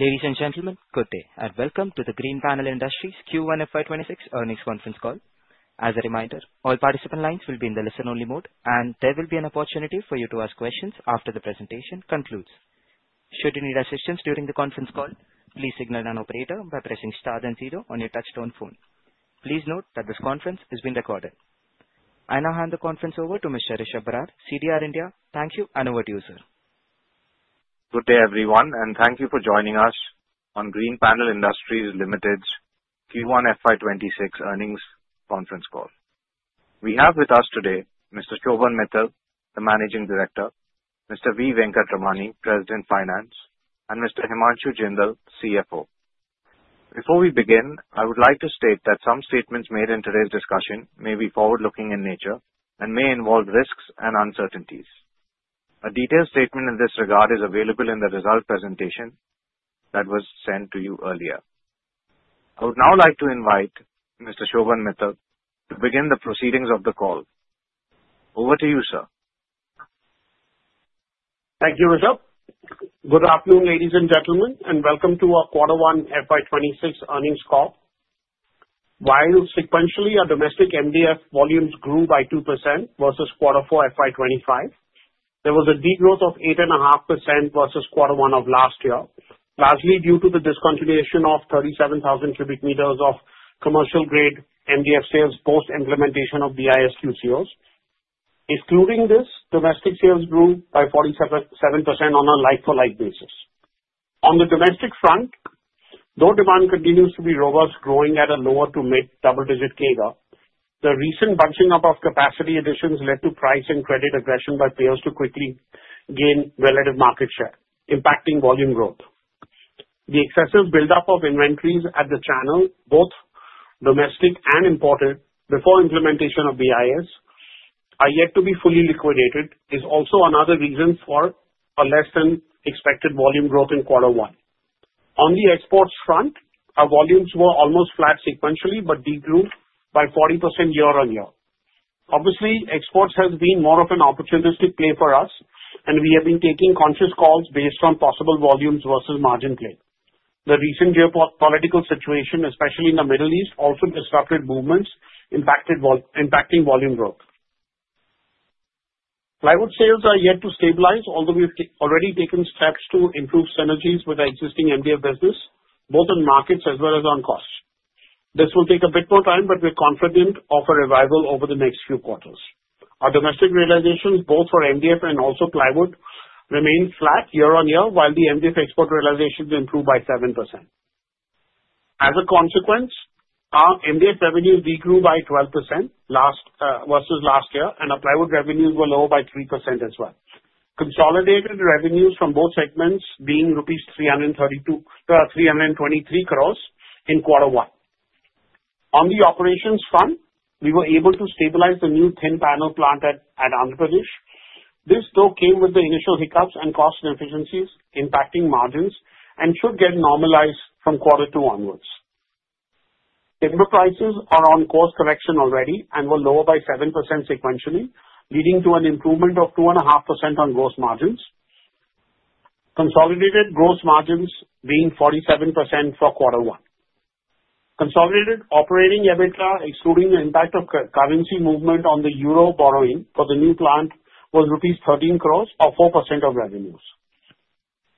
Ladies and gentlemen, good day, and welcome to the Greenpanel Industries Q1 FY 2026 earnings conference call. As a reminder, all participant lines will be in the listen-only mode, and there will be an opportunity for you to ask questions after the presentation concludes. Should you need assistance during the conference call, please signal an operator by pressing star then zero on your touch-tone phone. Please note that this conference is being recorded. I now hand the conference over to Mr. Rishabh Brar, CDR India. Thank you, and over to you, sir. Good day, everyone, and thank you for joining us on Greenpanel Industries Limited's Q1 FY 2026 earnings conference call. We have with us today Mr. Shobhan Mittal, the Managing Director, Mr. V. Venkatramani, President Finance, and Mr. Himanshu Jindal, CFO. Before we begin, I would like to state that some statements made in today's discussion may be forward-looking in nature and may involve risks and uncertainties. A detailed statement in this regard is available in the result presentation that was sent to you earlier. I would now like to invite Mr. Shobhan Mittal to begin the proceedings of the call. Over to you, sir. Thank you, Rishabh. Good afternoon, ladies and gentlemen, and welcome to our Q1 FY 2026 earnings call. While sequentially our domestic MDF volumes grew by 2% versus Q4 FY 2025, there was a degrowth of 8.5% versus Q1 of last year, largely due to the discontinuation of 37,000 cubic meters of commercial-grade MDF sales post-implementation of BIS QCOs. Excluding this, domestic sales grew by 47% on a like-for-like basis. On the domestic front, though demand continues to be robust, growing at a lower to mid-double-digit CAGR, the recent bunching up of capacity additions led to price and credit aggression by players to quickly gain relative market share, impacting volume growth. The excessive buildup of inventories at the channel, both domestic and imported, before implementation of BIS are yet to be fully liquidated, is also another reason for a less-than-expected volume growth in Q1. On the exports front, our volumes were almost flat sequentially but degrew by 40% year-on-year. Obviously, exports have been more of an opportunistic play for us, and we have been taking conscious calls based on possible volumes versus margin play. The recent geopolitical situation, especially in the Middle East, also disrupted movements, impacting volume growth. Plywood sales are yet to stabilize, although we've already taken steps to improve synergies with our existing MDF business, both in markets as well as on cost. This will take a bit more time, but we're confident of a revival over the next few quarters. Our domestic realizations, both for MDF and also plywood, remain flat year-on-year, while the MDF export realizations improved by 7%. As a consequence, our MDF revenues degrew by 12% versus last year, and our plywood revenues were lower by 3% as well. Consolidated revenues from both segments being rupees 323 crores in Q1. On the operations front, we were able to stabilize the new thin panel plant at Andhra Pradesh. This, though, came with the initial hiccups and cost inefficiencies impacting margins and should get normalized from Q2 onwards. Timber prices are on course correction already and were lower by 7% sequentially, leading to an improvement of 2.5% on gross margins. Consolidated gross margins being 47% for Q1. Consolidated operating EBITDA, excluding the impact of currency movement on the EUR borrowing for the new plant, was rupees 13 crores, or 4% of revenues.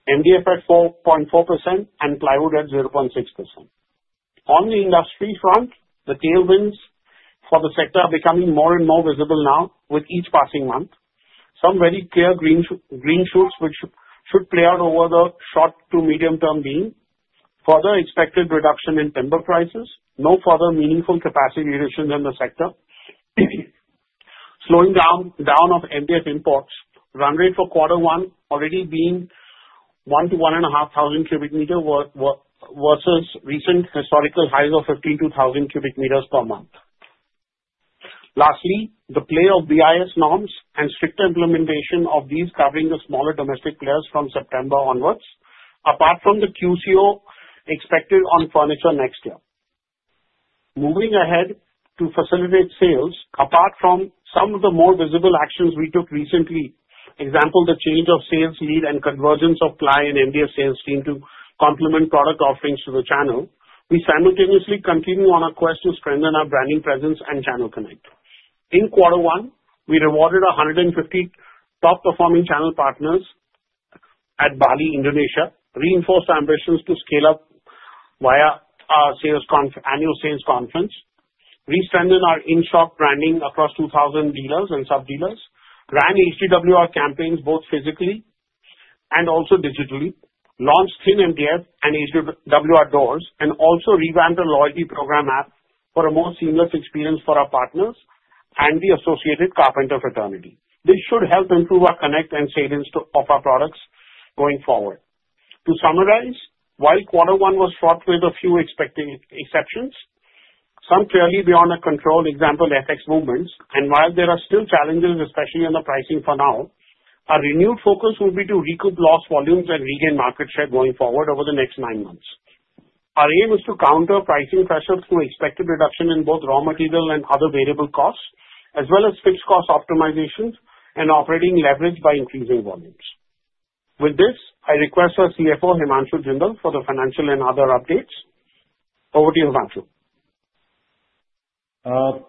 MDF at 4.4% and plywood at 0.6%. On the industry front, the tailwinds for the sector are becoming more and more visible now with each passing month. Some very clear green shoots which should play out over the short to medium term being for the expected reduction in timber prices. No further meaningful capacity reduction in the sector. Slowing down of MDF imports, run rate for Q1 already being 1,000 to 1,500 cubic meters versus recent historical highs of 15,000 cubic meters per month. Lastly, the play of BIS norms and stricter implementation of these covering the smaller domestic players from September onwards, apart from the QCO expected on furniture next year. Moving ahead to facilitate sales, apart from some of the more visible actions we took recently, example, the change of sales lead and convergence of ply and MDF sales team to complement product offerings to the channel, we simultaneously continue on our quest to strengthen our branding presence and channel connect. In Q1, we rewarded 150 top-performing channel partners at Bali, Indonesia, reinforced ambitions to scale up via our annual sales conference, re-strengthened our in-shop branding across 2,000 dealers and sub-dealers, ran HDWR campaigns both physically and also digitally, launched thin MDF and HDWR doors, and also revamped a loyalty program app for a more seamless experience for our partners and the associated carpenter fraternity. This should help improve our connect and savings of our products going forward. To summarize, while Q1 was fraught with a few expected exceptions, some clearly beyond our control, example, FX movements, and while there are still challenges, especially on the pricing for now, our renewed focus will be to recoup lost volumes and regain market share going forward over the next nine months. Our aim is to counter pricing pressure through expected reduction in both raw material and other variable costs, as well as fixed cost optimizations and operating leverage by increasing volumes. With this, I request our CFO, Himanshu Jindal, for the financial and other updates. Over to you, Himanshu.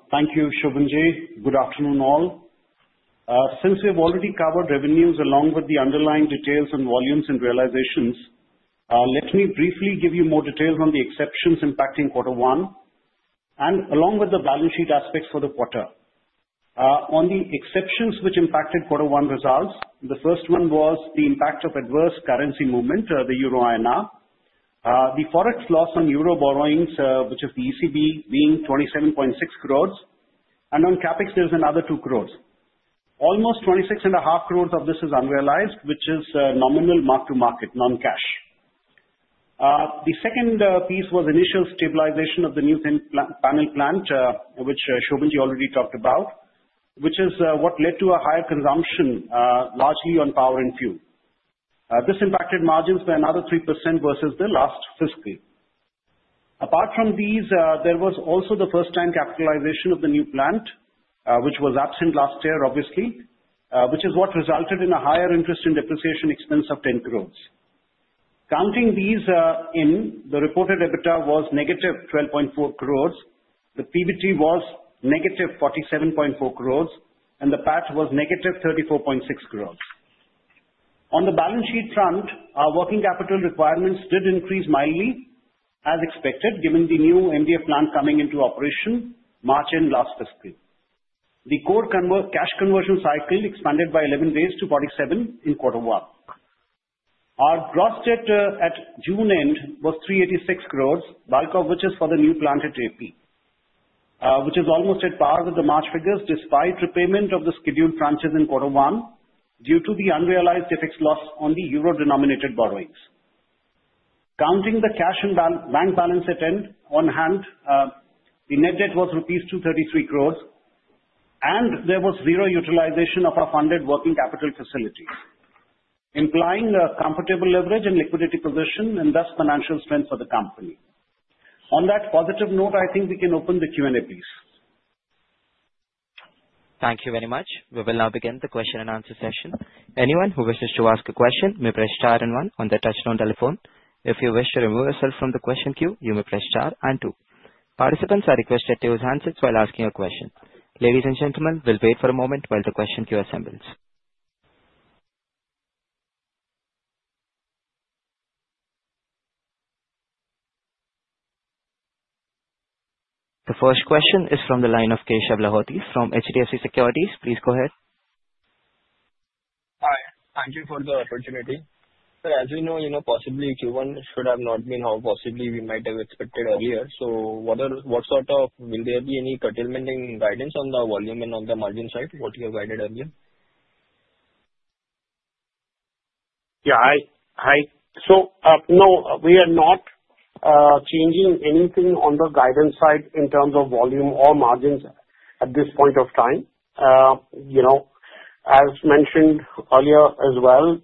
Thank you, Shobhan. Good afternoon, all. Since we've already covered revenues along with the underlying details and volumes and realizations, let me briefly give you more details on the exceptions impacting Q1, and along with the balance sheet aspects for the quarter. On the exceptions which impacted Q1 results, the first one was the impact of adverse currency movement, the EUR-INR. The forex loss on euro borrowings, which is the ECB, being 27.6 crores, and on CapEx, there's another 2 crores. Almost 26.5 crores of this is unrealized, which is nominal mark-to-market, non-cash. The second piece was initial stabilization of the new thin panel plant, which Shobhan already talked about, which is what led to a higher consumption, largely on power and fuel. This impacted margins by another 3% versus the last fiscal. Apart from these, there was also the first-time capitalization of the new plant, which was absent last year, obviously, which is what resulted in a higher interest and depreciation expense of 10 crores. Counting these in, the reported EBITDA was negative 12.4 crores, the PBT was negative 47.4 crores, and the PAT was negative 34.6 crores. On the balance sheet front, our working capital requirements did increase mildly, as expected, given the new MDF plant coming into operation March and last fiscal. The core cash conversion cycle expanded by 11 days to 47 in Q1. Our gross debt at June end was 386 crores, bulk of which is for the new plant at AP, which is almost at par with the March figures despite repayment of the scheduled tranches in Q1 due to the unrealized FX loss on the euro-denominated borrowings. Considering the cash and bank balances at year-end on hand, the net debt was rupees 233 crores, and there was zero utilization of our funded working capital facilities, implying a comfortable leverage and liquidity position and thus financial strength for the company. On that positive note, I think we can open the Q&A please. Thank you very much. We will now begin the question and answer session. Anyone who wishes to ask a question may press star and one on the touch-tone telephone. If you wish to remove yourself from the question queue, you may press star and two. Participants are requested to use handsets while asking a question. Ladies and gentlemen, we'll wait for a moment while the question queue assembles. The first question is from the line of Keshav Lahoti from HDFC Securities. Please go ahead. Hi. Thank you for the opportunity. Sir, as we know, possibly Q1 should have not been how possibly we might have expected earlier. So what sort of will there be any curtailment in guidance on the volume and on the margin side? What you have guided earlier? Yeah. So no, we are not changing anything on the guidance side in terms of volume or margins at this point of time. As mentioned earlier as well,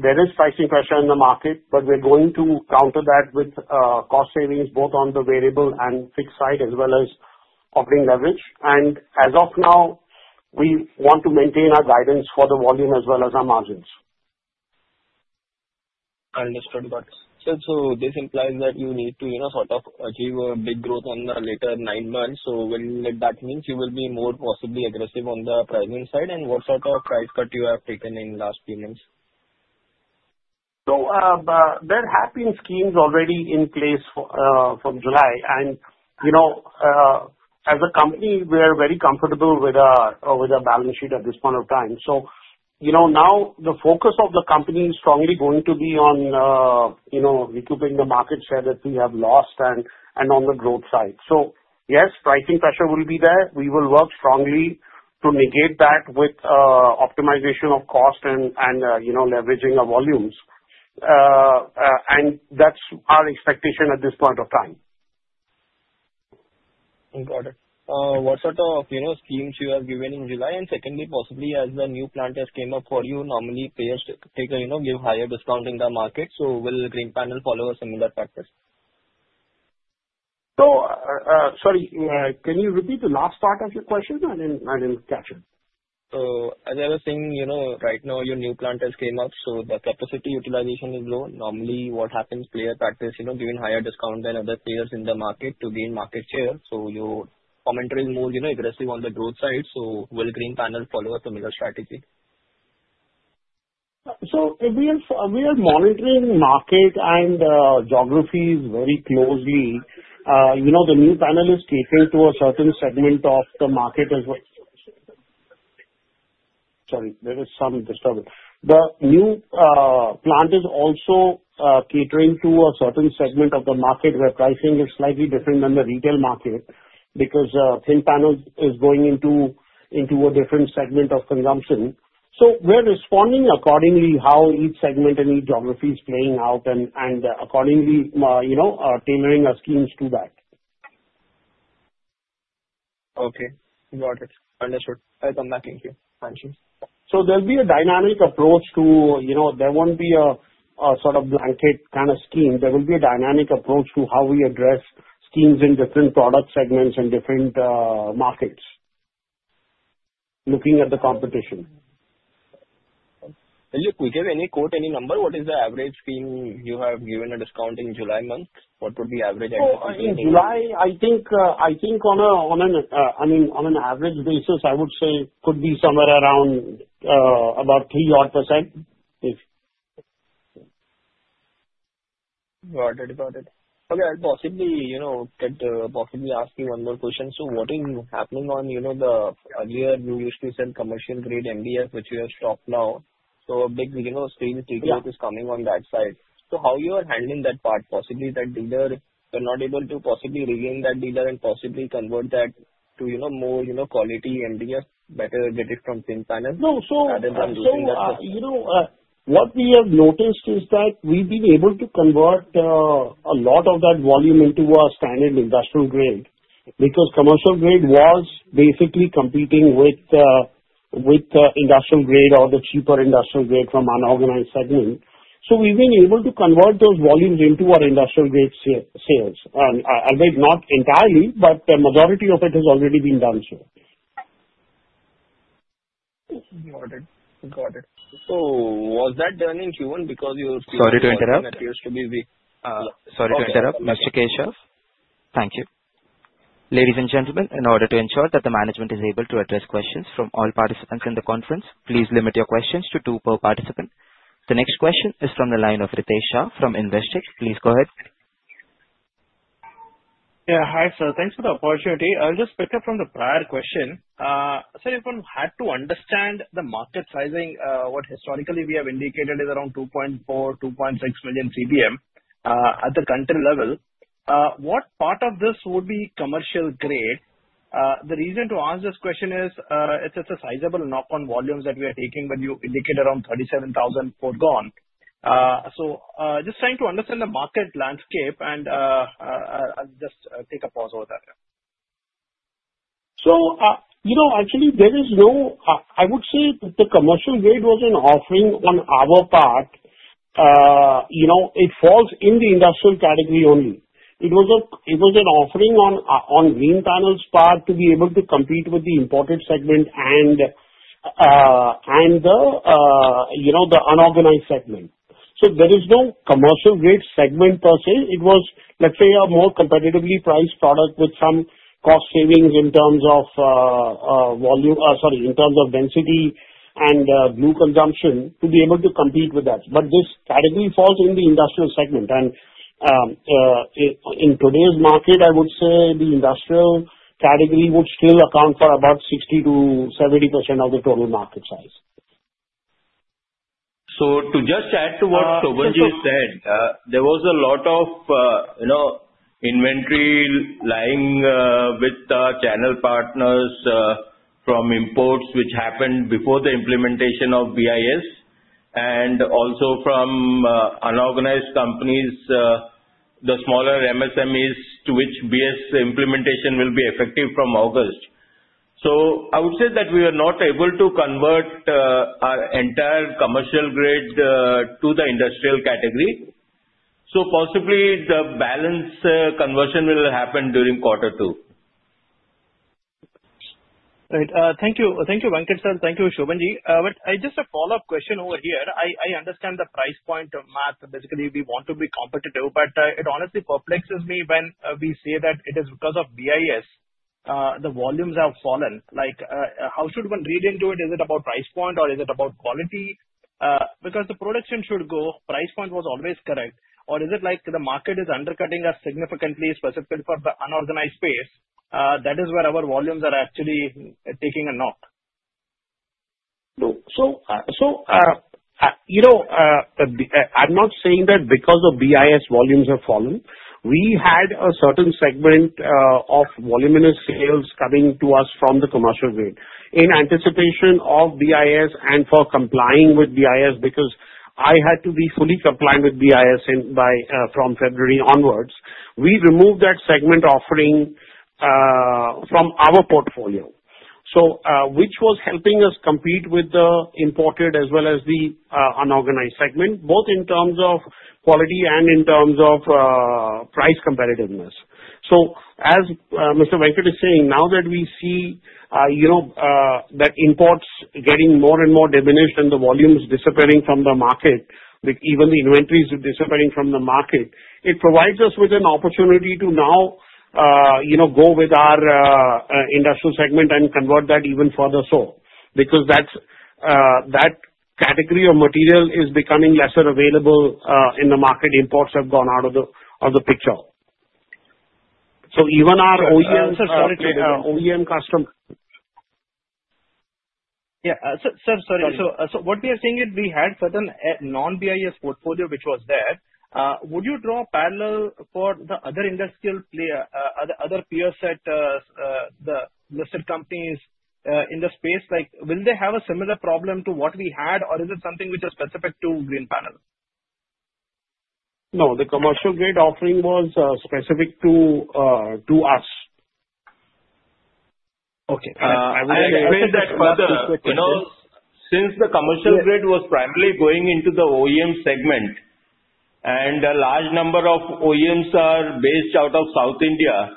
there is pricing pressure in the market, but we're going to counter that with cost savings both on the variable and fixed side as well as operating leverage. And as of now, we want to maintain our guidance for the volume as well as our margins. Understood. But still, so this implies that you need to sort of achieve a big growth on the later nine months. So will that mean you will be more possibly aggressive on the pricing side? And what sort of price cut you have taken in the last few months? So there have been schemes already in place from July. And as a company, we are very comfortable with our balance sheet at this point of time. So now the focus of the company is strongly going to be on recouping the market share that we have lost and on the growth side. So yes, pricing pressure will be there. We will work strongly to negate that with optimization of cost and leveraging our volumes. And that's our expectation at this point of time. Got it. What sort of schemes have you given in July? And secondly, possibly as the new plants came up for you, normally players take and give higher discount in the market. So will Greenpanel follow a similar practice? So sorry, can you repeat the last part of your question? I didn't catch it. So as I was saying, right now your new plants came up, so the capacity utilization is low. Normally what happens, players practice giving higher discount than other players in the market to gain market share. So your commentary is more aggressive on the growth side. So will Greenpanel follow a similar strategy? So we are monitoring market and geographies very closely. The new plant is catering to a certain segment of the market as well. Sorry, there is some disturbance. The new plant is also catering to a certain segment of the market where pricing is slightly different than the retail market because thin panel is going into a different segment of consumption. So we're responding accordingly how each segment and each geography is playing out and accordingly tailoring our schemes to that. Okay. Got it. Understood. I'll come back. Thank you. Thank you. So there'll be a dynamic approach. There won't be a sort of blanket kind of scheme. There will be a dynamic approach to how we address schemes in different product segments and different markets looking at the competition. Look, we give any quote, any number, what is the average scheme you have given a discount in July month? What would be average? In July, I think, I mean, on an average basis, I would say it could be somewhere around about 3 odd %. Got it. Okay. I'll possibly ask you one more question. So what is happening? Earlier you used to sell commercial-grade MDF, which you have stopped now. So a big shrink is coming on that side. So how are you handling that part? Possibly, that dealer you're not able to regain and possibly convert that to more quality MDF, better get it from Greenpanel? No. So what we have noticed is that we've been able to convert a lot of that volume into our standard industrial grade because commercial grade was basically competing with industrial grade or the cheaper industrial grade from unorganized segment. So we've been able to convert those volumes into our industrial grade sales. I'd say not entirely, but the majority of it has already been done so. Got it. Got it. So was that done in Q1 because you're speaking? Sorry to interrupt. Operator: Sorry to interrupt. Mr. Keshav? Thank you. Ladies and gentlemen, in order to ensure that the management is able to address questions from all participants in the conference, please limit your questions to two per participant. The next question is from the line of Ritesh Shah from Investec. Please go ahead. Yeah. Hi, sir. Thanks for the opportunity. I'll just pick up from the prior question. Sir, if one had to understand the market sizing, what historically we have indicated is around 2.4-2.6 million CBM at the country level. What part of this would be commercial grade? The reason to ask this question is it's a sizable knock-on volume that we are taking, but you indicate around 37,000 foregone. So just trying to understand the market landscape, and I'll just take a pause over there. Actually, there is no, I would say, that the commercial grade was an offering on our part. It falls in the industrial category only. It was an offering on Greenpanel's part to be able to compete with the imported segment and the unorganized segment. So there is no commercial grade segment per se. It was, let's say, a more competitively priced product with some cost savings in terms of volume, sorry, in terms of density and glue consumption to be able to compete with that. But this category falls in the industrial segment. And in today's market, I would say the industrial category would still account for about 60%-70% of the total market size. To just add to what Shobhan said, there was a lot of inventory lying with our channel partners from imports, which happened before the implementation of BIS, and also from unorganized companies, the smaller MSMEs to which BIS implementation will be effective from August. I would say that we were not able to convert our entire commercial grade to the industrial category. Possibly the balance conversion will happen during quarter two. Great. Thank you. Thank you, Venkat Sir. Thank you, Shobhanji. But just a follow-up question over here. I understand the price point of MDF. Basically, we want to be competitive, but it honestly perplexes me when we say that it is because of BIS, the volumes have fallen. How should one read into it? Is it about price point, or is it about quality? Because the production should go, price point was always correct. Or is it like the market is undercutting us significantly, specifically for the unorganized space? That is where our volumes are actually taking a knock. I'm not saying that because of BIS, volumes have fallen. We had a certain segment of voluminous sales coming to us from the commercial grade in anticipation of BIS and for complying with BIS because I had to be fully compliant with BIS from February onwards. We removed that segment offering from our portfolio, which was helping us compete with the imported as well as the unorganized segment, both in terms of quality and in terms of price competitiveness. As Mr. Venkatramani is saying, now that we see that imports getting more and more diminished and the volumes disappearing from the market, even the inventories disappearing from the market, it provides us with an opportunity to now go with our industrial segment and convert that even further so because that category of material is becoming lesser available in the market. Imports have gone out of the picture. So even our OEM customer. Yeah. Sir, sorry. So what we are saying is we had certain non-BIS portfolio, which was there. Would you draw a parallel for the other industrial player, other peers at the listed companies in the space? Will they have a similar problem to what we had, or is it something which is specific to Greenpanel? No. The commercial-grade offering was specific to us. Okay. I will explain that further. Since the commercial grade was primarily going into the OEM segment and a large number of OEMs are based out of South India,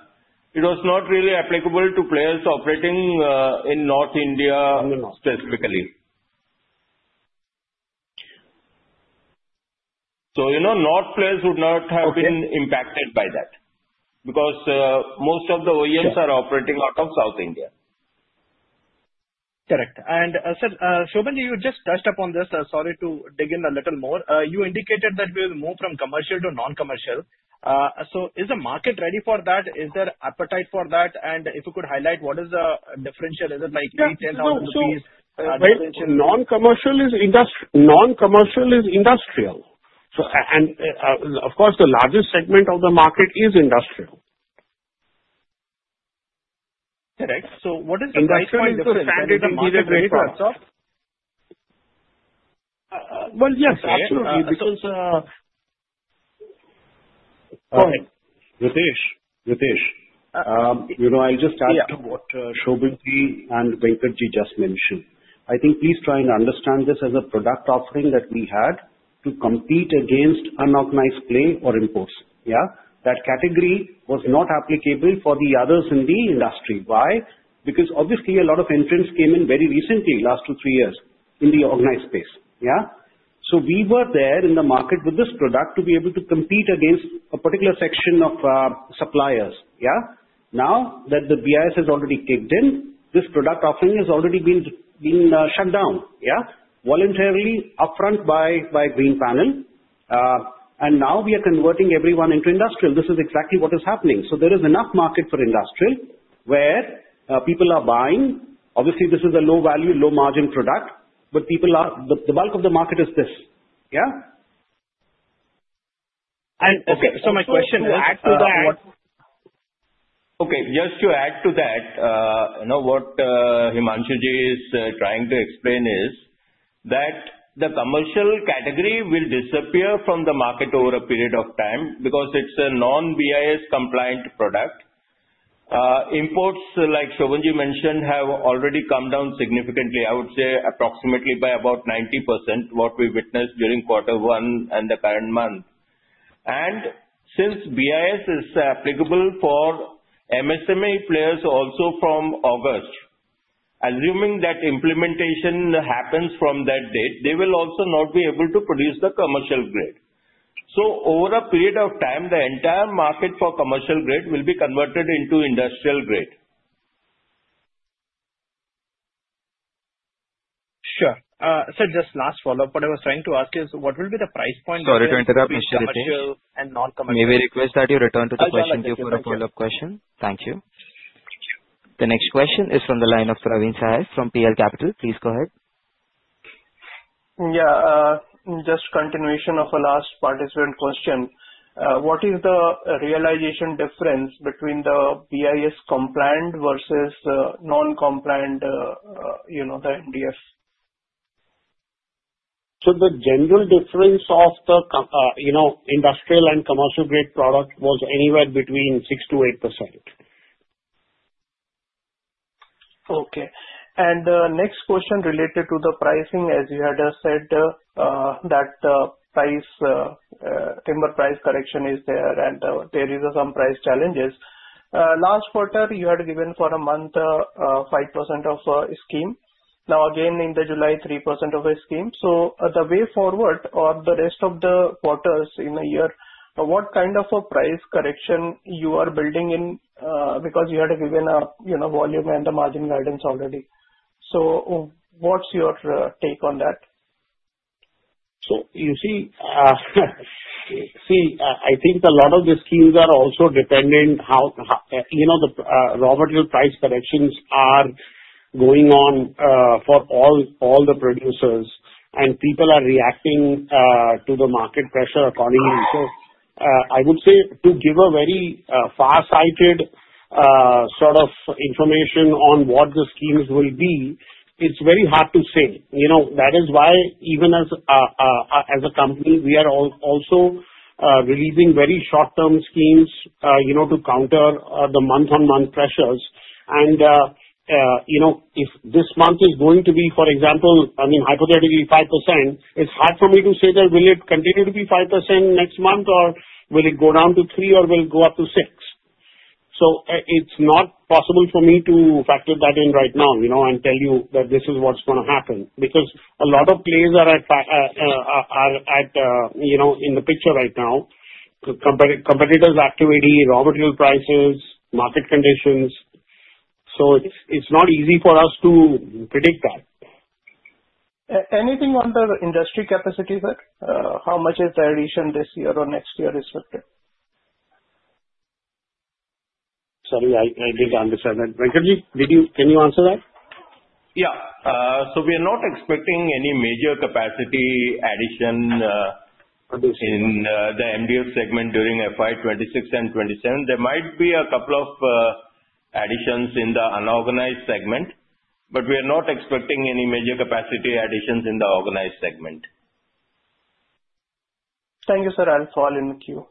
it was not really applicable to players operating in North India specifically. So North players would not have been impacted by that because most of the OEMs are operating out of South India. Correct. And sir, Shobhan, you just touched upon this. Sorry to dig in a little more. You indicated that we will move from commercial to industrial. So is the market ready for that? Is there appetite for that? And if you could highlight, what is the differential? Is it like INR 10,000? Non-commercial is industrial. And of course, the largest segment of the market is industrial. Correct. So what is the differential to standard non-commercial? Well, yes, absolutely. Because. Go ahead. Ritesh, Ritesh, I'll just add to what Shobhanji and Venkatji just mentioned. I think please try and understand this as a product offering that we had to compete against unorganized players or imports. Yeah? That category was not applicable for the others in the industry. Why? Because obviously a lot of entrants came in very recently, last two, three years in the organized space. Yeah? So we were there in the market with this product to be able to compete against a particular section of suppliers. Yeah? Now that the BIS has already kicked in, this product offering has already been shut down, yeah, voluntarily upfront by Greenpanel. And now we are converting everyone into industrial. This is exactly what is happening. So there is enough market for industrial where people are buying. Obviously, this is a low-value, low-margin product, but the bulk of the market is this. Yeah? Okay. So my question is to add to that. Okay. Just to add to that, what Himanshu is trying to explain is that the commercial category will disappear from the market over a period of time because it's a non-BIS compliant product. Imports, like Shobhanji mentioned, have already come down significantly, I would say approximately by about 90%, what we witnessed during quarter one and the current month. And since BIS is applicable for MSME players also from August, assuming that implementation happens from that date, they will also not be able to produce the commercial grade. So over a period of time, the entire market for commercial grade will be converted into industrial grade. Sure. Sir, just last follow-up. What I was trying to ask is what will be the price point? Sorry to interrupt. Mr. Ritesh. And non-commercial. May we request that you return to the question queue for a follow-up question? Thank you. The next question is from the line of Praveen Sahay from PL Capital. Please go ahead. Yeah. Just continuation of a last participant question. What is the realization difference between the BIS compliant versus non-compliant, the MDF? The general difference of the industrial and commercial grade product was anywhere between 6%-8%. Okay. And next question related to the pricing, as you had said that the timber price correction is there and there are some price challenges. Last quarter, you had given for a month 5% of a scheme. Now, again, in July, 3% of a scheme. So the way forward or the rest of the quarters in a year, what kind of a price correction you are building in because you had given a volume and the margin guidance already. So what's your take on that? So you see, I think a lot of the schemes are also dependent how the raw material price corrections are going on for all the producers, and people are reacting to the market pressure accordingly. So I would say to give a very far-sighted sort of information on what the schemes will be, it's very hard to say. That is why, even as a company, we are also releasing very short-term schemes to counter the month-on-month pressures. And if this month is going to be, for example, I mean, hypothetically, 5%, it's hard for me to say that will it continue to be 5% next month, or will it go down to 3%, or will it go up to 6%? So it's not possible for me to factor that in right now and tell you that this is what's going to happen because a lot of players are in the picture right now, competitors' activity, raw material prices, market conditions. So it's not easy for us to predict that. Anything on the industry capacity, sir? How much is the addition this year or next year expected? Sorry, I didn't understand that. Venkatramani, can you answer that? Yeah. So we are not expecting any major capacity addition in the MDF segment during FY 2026 and 2027. There might be a couple of additions in the unorganized segment, but we are not expecting any major capacity additions in the organized segment. Thank you, sir. I'll fall in the queue.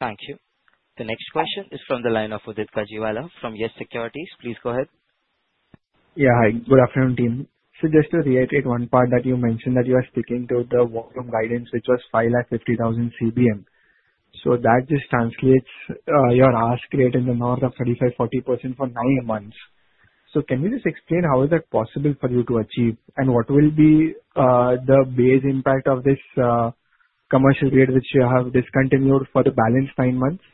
Thank you. The next question is from the line of Udit Gajiwala from Yes Securities. Please go ahead. Yeah. Hi. Good afternoon, team. So just to reiterate one part that you mentioned that you are sticking to the firm guidance, which was 550,000 CBM. So that just translates to your growth rate in the north of 35%-40% for nine months. So can you just explain how that is possible for you to achieve, and what will be the base effect of this commercial grade which you have discontinued for the balance nine months?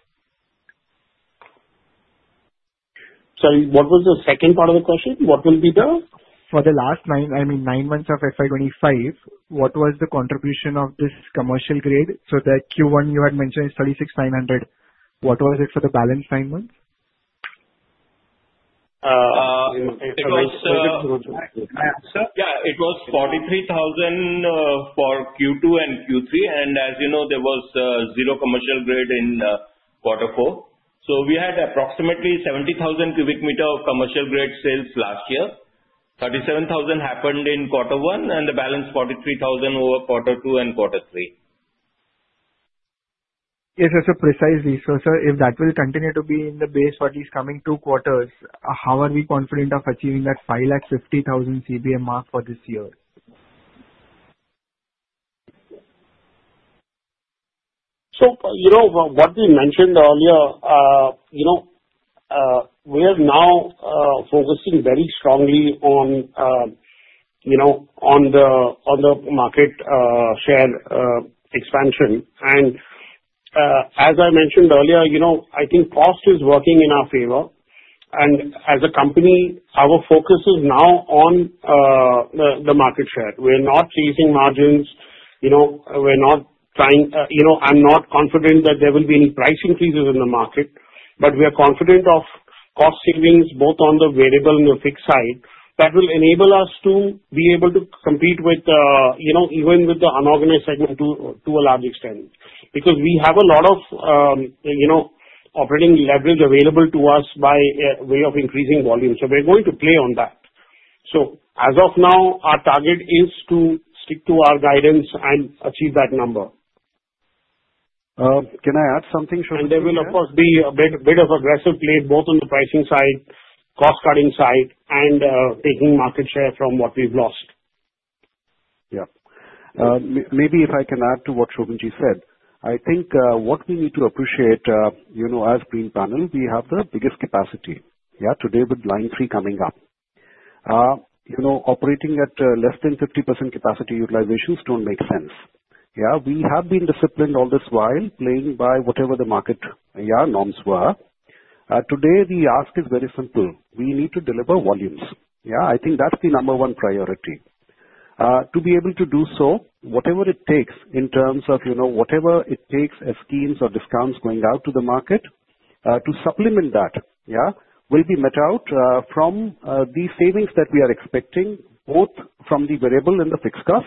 Sorry, what was the second part of the question? What will be the? For the last nine months of FY 2025, what was the contribution of this commercial grade? So the Q1 you had mentioned is 36,900. What was it for the balance nine months? Yeah. It was 43,000 for Q2 and Q3. And as you know, there was zero commercial grade in quarter four. So we had approximately 70,000 cubic meters of commercial grade sales last year. 37,000 happened in quarter one, and the balance 43,000 over quarter two and quarter three. Yes, sir. So precisely. So sir, if that will continue to be in the base for these coming two quarters, how are we confident of achieving that 550,000 CBM mark for this year? So what we mentioned earlier, we are now focusing very strongly on the market share expansion. And as I mentioned earlier, I think cost is working in our favor. And as a company, our focus is now on the market share. We are not chasing margins. We're not trying, I'm not confident that there will be any price increases in the market, but we are confident of cost savings both on the variable and the fixed side that will enable us to be able to compete with even the unorganized segment to a large extent because we have a lot of operating leverage available to us by way of increasing volume. So we're going to play on that. So as of now, our target is to stick to our guidance and achieve that number. Can I add something, Shobhan? There will, of course, be a bit of aggressive play both on the pricing side, cost-cutting side, and taking market share from what we've lost. Yeah. Maybe if I can add to what Shobhan said, I think what we need to appreciate as Greenpanel, we have the biggest capacity. Yeah? Today, with Line 3 coming up, operating at less than 50% capacity utilizations don't make sense. Yeah? We have been disciplined all this while playing by whatever the market norms were. Today, the ask is very simple. We need to deliver volumes. Yeah? I think that's the number one priority. To be able to do so, whatever it takes in terms of whatever it takes as schemes or discounts going out to the market to supplement that, yeah, will be met out from the savings that we are expecting both from the variable and the fixed cost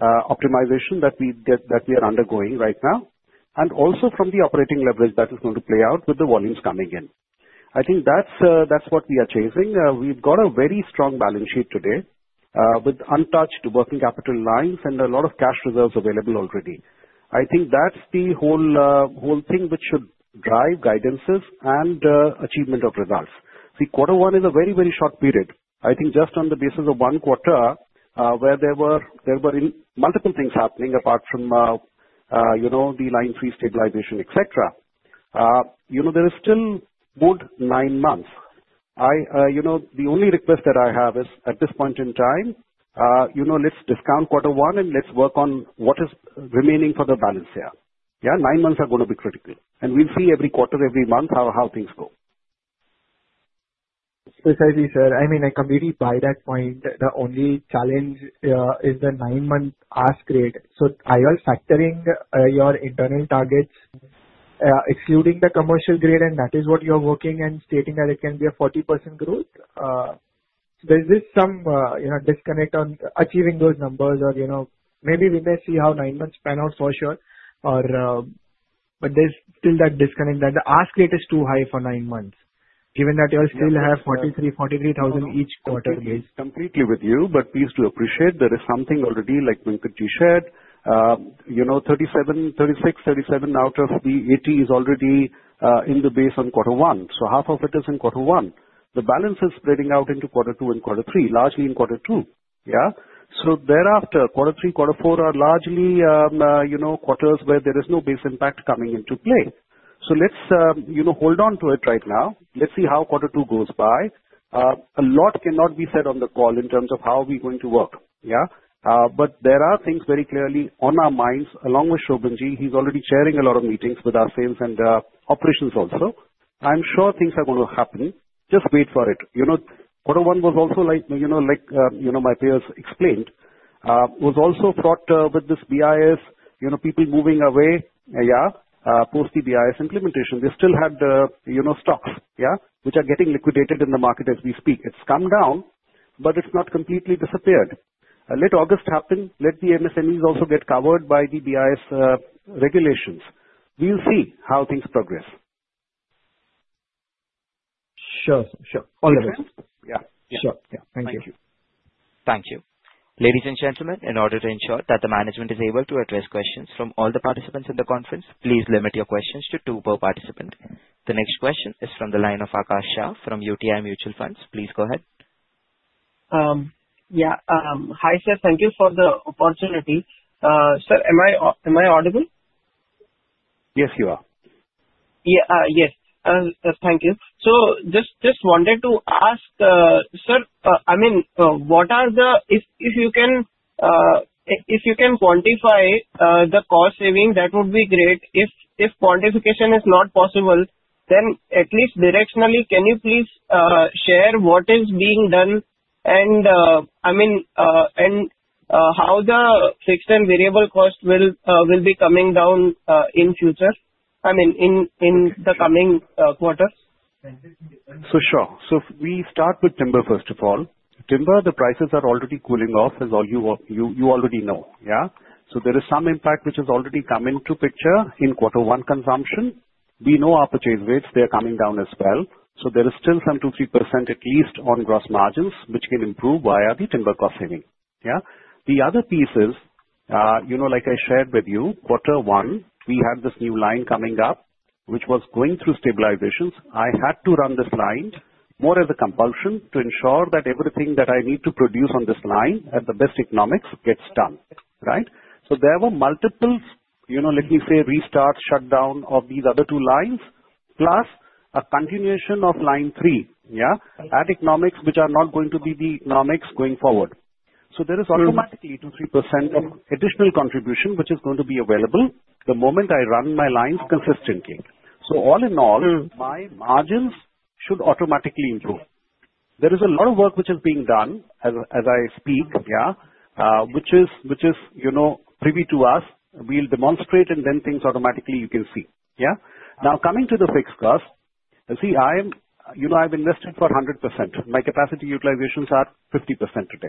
optimization that we are undergoing right now, and also from the operating leverage that is going to play out with the volumes coming in. I think that's what we are chasing. We've got a very strong balance sheet today with untouched working capital lines and a lot of cash reserves available already. I think that's the whole thing which should drive guidances and achievement of results. See, quarter one is a very, very short period. I think just on the basis of one quarter where there were multiple things happening apart from the Line 3 stabilization, etc., there is still good nine months. The only request that I have is at this point in time, let's discount quarter one and let's work on what is remaining for the balance here. Yeah? Nine months are going to be critical, and we'll see every quarter, every month how things go. Precisely, sir. I mean, I completely buy that point. The only challenge is the nine-month ask grade. So are you all factoring your internal targets, excluding the commercial-grade, and that is what you're working and stating that it can be a 40% growth? So there's some disconnect on achieving those numbers, or maybe we may see how nine months pan out for sure, but there's still that disconnect that the ask rate is too high for nine months given that you all still have 43,000 each quarter base. I completely agree with you, but please do appreciate there is something already, like Venkatramani shared. 36, 37 out of the 80 is already in the base on quarter one. So half of it is in quarter one. The balance is spreading out into quarter two and quarter three, largely in quarter two. Yeah? So thereafter, quarter three, quarter four are largely quarters where there is no base impact coming into play. So let's hold on to it right now. Let's see how quarter two goes by. A lot cannot be said on the call in terms of how we're going to work. Yeah? But there are things very clearly on our minds. Along with Shobhan, he's already chairing a lot of meetings with our sales and operations also. I'm sure things are going to happen. Just wait for it. Quarter one was also, like my peers explained, was also fraught with this BIS, people moving away, yeah, post the BIS implementation. They still had stocks, yeah, which are getting liquidated in the market as we speak. It's come down, but it's not completely disappeared. Let August happen. Let the MSMEs also get covered by the BIS regulations. We'll see how things progress. Sure. Sure. All of it. Yeah. Sure. Yeah. Thank you. Thank you. Ladies and gentlemen, in order to ensure that the management is able to address questions from all the participants in the conference, please limit your questions to two per participant. The next question is from the line of Akash Shah from UTI Mutual Fund. Please go ahead. Yeah. Hi, sir. Thank you for the opportunity. Sir, am I audible? Yes, you are. Yes. Thank you. So just wanted to ask, sir, I mean, what are the, if you can quantify the cost saving, that would be great. If quantification is not possible, then at least directionally, can you please share what is being done and, I mean, how the fixed and variable cost will be coming down in future, I mean, in the coming quarters? For sure. So we start with timber, first of all. Timber, the prices are already cooling off, as you already know. Yeah? So there is some impact which has already come into picture in quarter one consumption. We know our purchase rates, they are coming down as well. So there is still some 2-3% at least on gross margins which can improve via the timber cost saving. Yeah? The other piece is, like I shared with you, quarter one, we had this new line coming up which was going through stabilizations. I had to run this line more as a compulsion to ensure that everything that I need to produce on this line at the best economics gets done. Right? So there were multiple, let me say, restarts, shutdowns of these other two lines, plus a continuation of line three, yeah, at economics which are not going to be the economics going forward. So there is automatically 2%-3% of additional contribution which is going to be available the moment I run my lines consistently. So all in all, my margins should automatically improve. There is a lot of work which is being done as I speak, yeah, which is privy to us. We'll demonstrate, and then things automatically you can see. Yeah? Now, coming to the fixed cost, see, I've invested for 100%. My capacity utilizations are 50% today.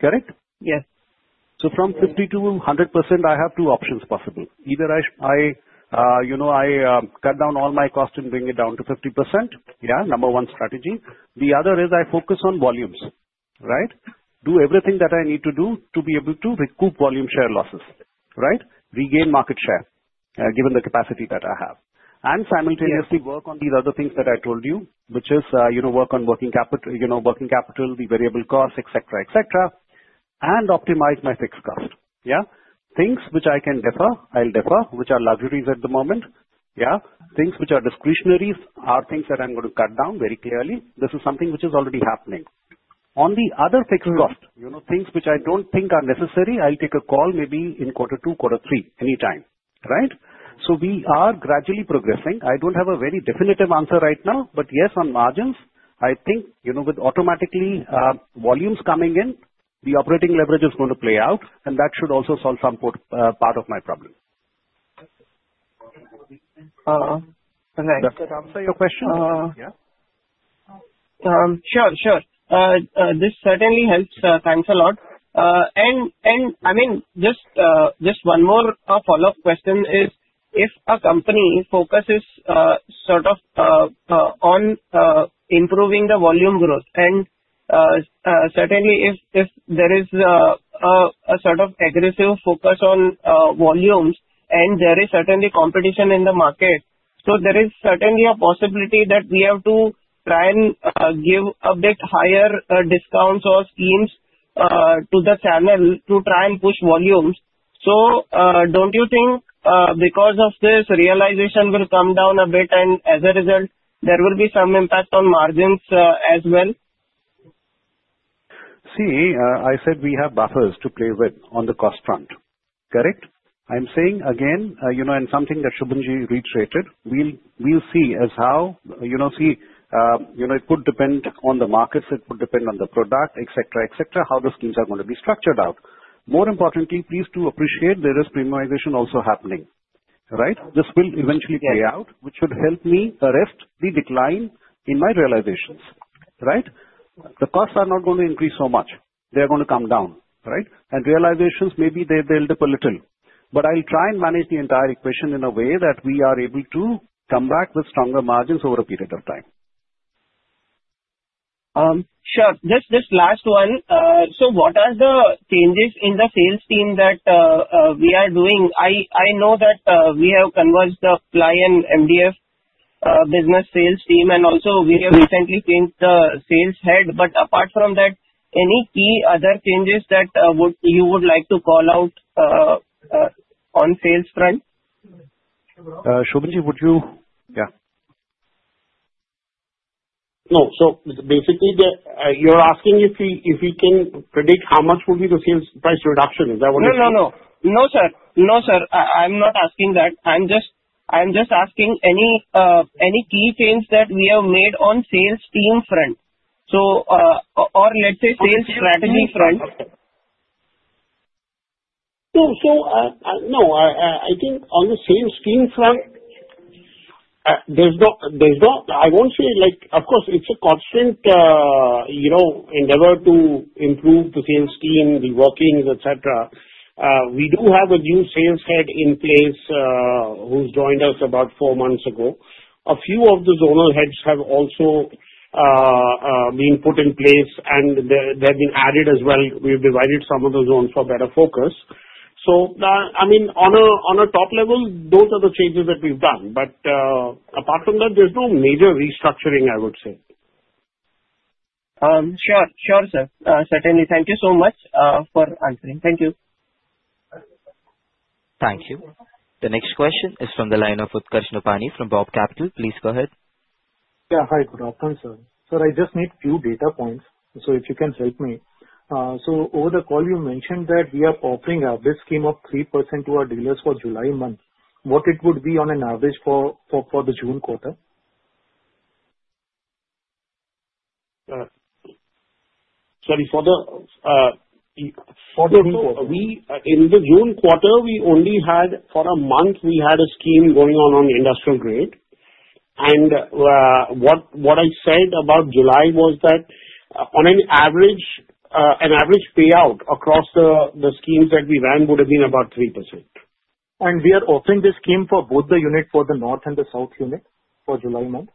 Correct? Yes. From 50%-100%, I have two options possible. Either I cut down all my cost and bring it down to 50%, yeah, number one strategy. The other is I focus on volumes. Right? Do everything that I need to do to be able to recoup volume share losses. Right? Regain market share given the capacity that I have. And simultaneously work on these other things that I told you, which is work on working capital, the variable costs, etc., etc., and optimize my fixed cost. Yeah? Things which I can defer, I'll defer, which are luxuries at the moment. Yeah? Things which are discretionaries are things that I'm going to cut down very clearly. This is something which is already happening. On the other fixed cost, things which I don't think are necessary, I'll take a call maybe in quarter two, quarter three, anytime. Right? We are gradually progressing. I don't have a very definitive answer right now, but yes, on margins, I think with additional volumes coming in, the operating leverage is going to play out, and that should also solve some part of my problem did I answer your question? Yeah? Sure. Sure. This certainly helps. Thanks a lot. And I mean, just one more follow-up question is if a company focuses sort of on improving the volume growth, and certainly if there is a sort of aggressive focus on volumes, and there is certainly competition in the market, so there is certainly a possibility that we have to try and give a bit higher discounts or schemes to the channel to try and push volumes. So don't you think because of this realization will come down a bit, and as a result, there will be some impact on margins as well? See, I said we have buffers to play with on the cost front. Correct? I'm saying again, and something that Shobhan reiterated, we'll see how, see, it could depend on the markets. It could depend on the product, etc., etc., how the schemes are going to be structured out. More importantly, please do appreciate there is premiumization also happening. Right? This will eventually play out, which should help me arrest the decline in my realizations. Right? The costs are not going to increase so much. They're going to come down. Right? And realizations, maybe they build up a little. But I'll try and manage the entire equation in a way that we are able to come back with stronger margins over a period of time. Sure. Just this last one. So what are the changes in the sales team that we are doing? I know that we have converged the ply and MDF business sales team, and also we have recently changed the sales head. But apart from that, any key other changes that you would like to call out on sales front? Shobhan, would you, yeah. No. So basically, you're asking if we can predict how much will be the sales price reduction. Is that what you're saying? No, no, no. No, sir. No, sir. I'm not asking that. I'm just asking any key change that we have made on sales team front, or let's say sales strategy front. No. So no. I think on the sales team front, there's not. I won't say, of course, it's a constant endeavor to improve the sales team, the workings, etc. We do have a new sales head in place who's joined us about four months ago. A few of the zonal heads have also been put in place, and they've been added as well. We've divided some of the zones for better focus. So I mean, on a top level, those are the changes that we've done. But apart from that, there's no major restructuring, I would say. Sure. Sure, sir. Certainly. Thank you so much for answering. Thank you. Thank you. The next question is from the line of Utkarsh Nopany from BOB Capital. Please go ahead. Yeah. Hi, I'm Utkarsh. Thanks, sir. So I just need a few data points. So if you can help me. So over the call, you mentioned that we are offering an average scheme of 3% to our dealers for July month. What would it be on an average for the June quarter? Sorry. For the June quarter, we only had for a month a scheme going on the industrial grade. And what I said about July was that on an average payout across the schemes that we ran would have been about 3%. And we are offering this scheme for both the unit for the north and the south unit for July month?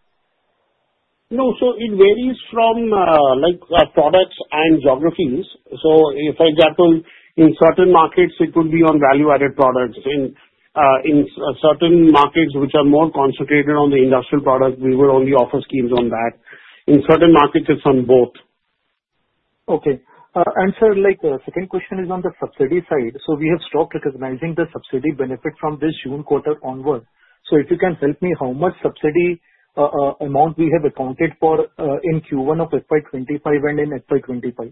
No, so it varies from products and geographies. So for example, in certain markets, it would be on value-added products. In certain markets which are more concentrated on the industrial product, we would only offer schemes on that. In certain markets, it's on both. Okay. And sir, the second question is on the subsidy side. So we have stopped recognizing the subsidy benefit from this June quarter onward. So if you can help me, how much subsidy amount we have accounted for in Q1 of FY 2025 and in FY 2025?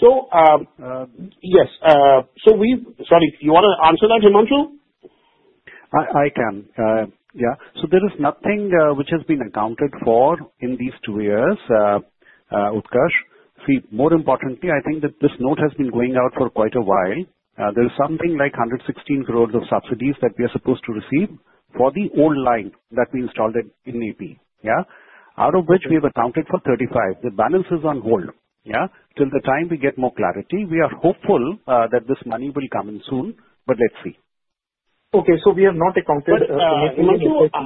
So yes. So we, sorry. You want to answer that, Himanshu? I can. Yeah. So there is nothing which has been accounted for in these two years, Utkarsh. See, more importantly, I think that this note has been going out for quite a while. There is something like 116 crores of subsidies that we are supposed to receive for the old line that we installed in AP, yeah, out of which we have accounted for 35. The balance is on hold, yeah, till the time we get more clarity. We are hopeful that this money will come in soon, but let's see. Okay, so we have not accounted for it. But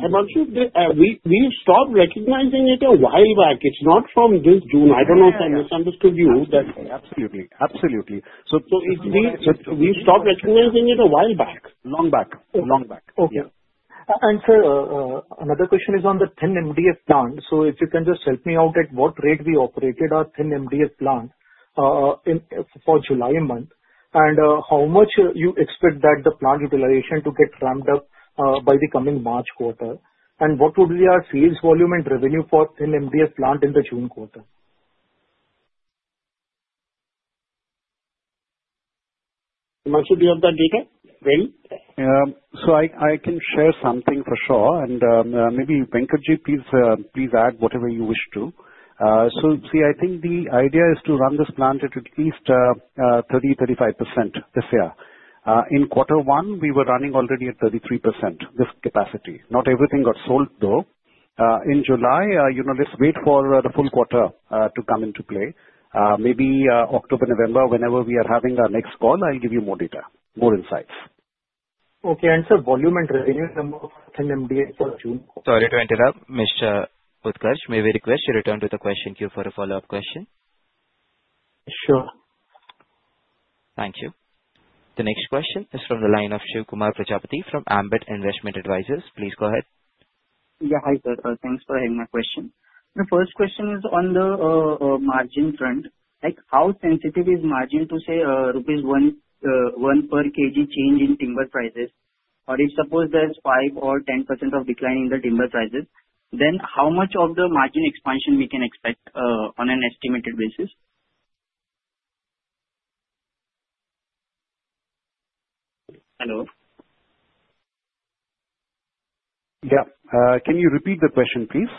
Himanshu, we stopped recognizing it a while back. It's not from this June. I don't know if I misunderstood you that? Absolutely. Absolutely. So we stopped recognizing it a while back. Long back. Long back. Okay. And, sir, another question is on the thin MDF plant. So if you can just help me out at what rate we operated our thin MDF plant for July month and how much you expect that the plant utilization to get ramped up by the coming March quarter, and what would be our sales volume and revenue for thin MDF plant in the June quarter? Himanshu, do you have that data? Ready? I can share something for sure. And maybe Venkatramani, please add whatever you wish to. See, I think the idea is to run this plant at least 30%-35% this year. In quarter one, we were running already at 33% this capacity. Not everything got sold, though. In July, let's wait for the full quarter to come into play. Maybe October, November, whenever we are having our next call, I'll give you more data, more insights. Okay. And sir, volume and revenue number for thin MDF for June. Sorry to interrupt, Mr. Utkarsh. May we request you return to the question queue for a follow-up question? Sure. Thank you. The next question is from the line of Shivkumar Prajapati from Ambit Investment Advisors. Please go ahead. Yeah. Hi, sir. Thanks for having my question. The first question is on the margin front. How sensitive is margin to say, "rupees 1 per kg change in timber prices"? Or if suppose there's 5 or 10% of decline in the timber prices, then how much of the margin expansion we can expect on an estimated basis? Hello? Yeah. Can you repeat the question, please?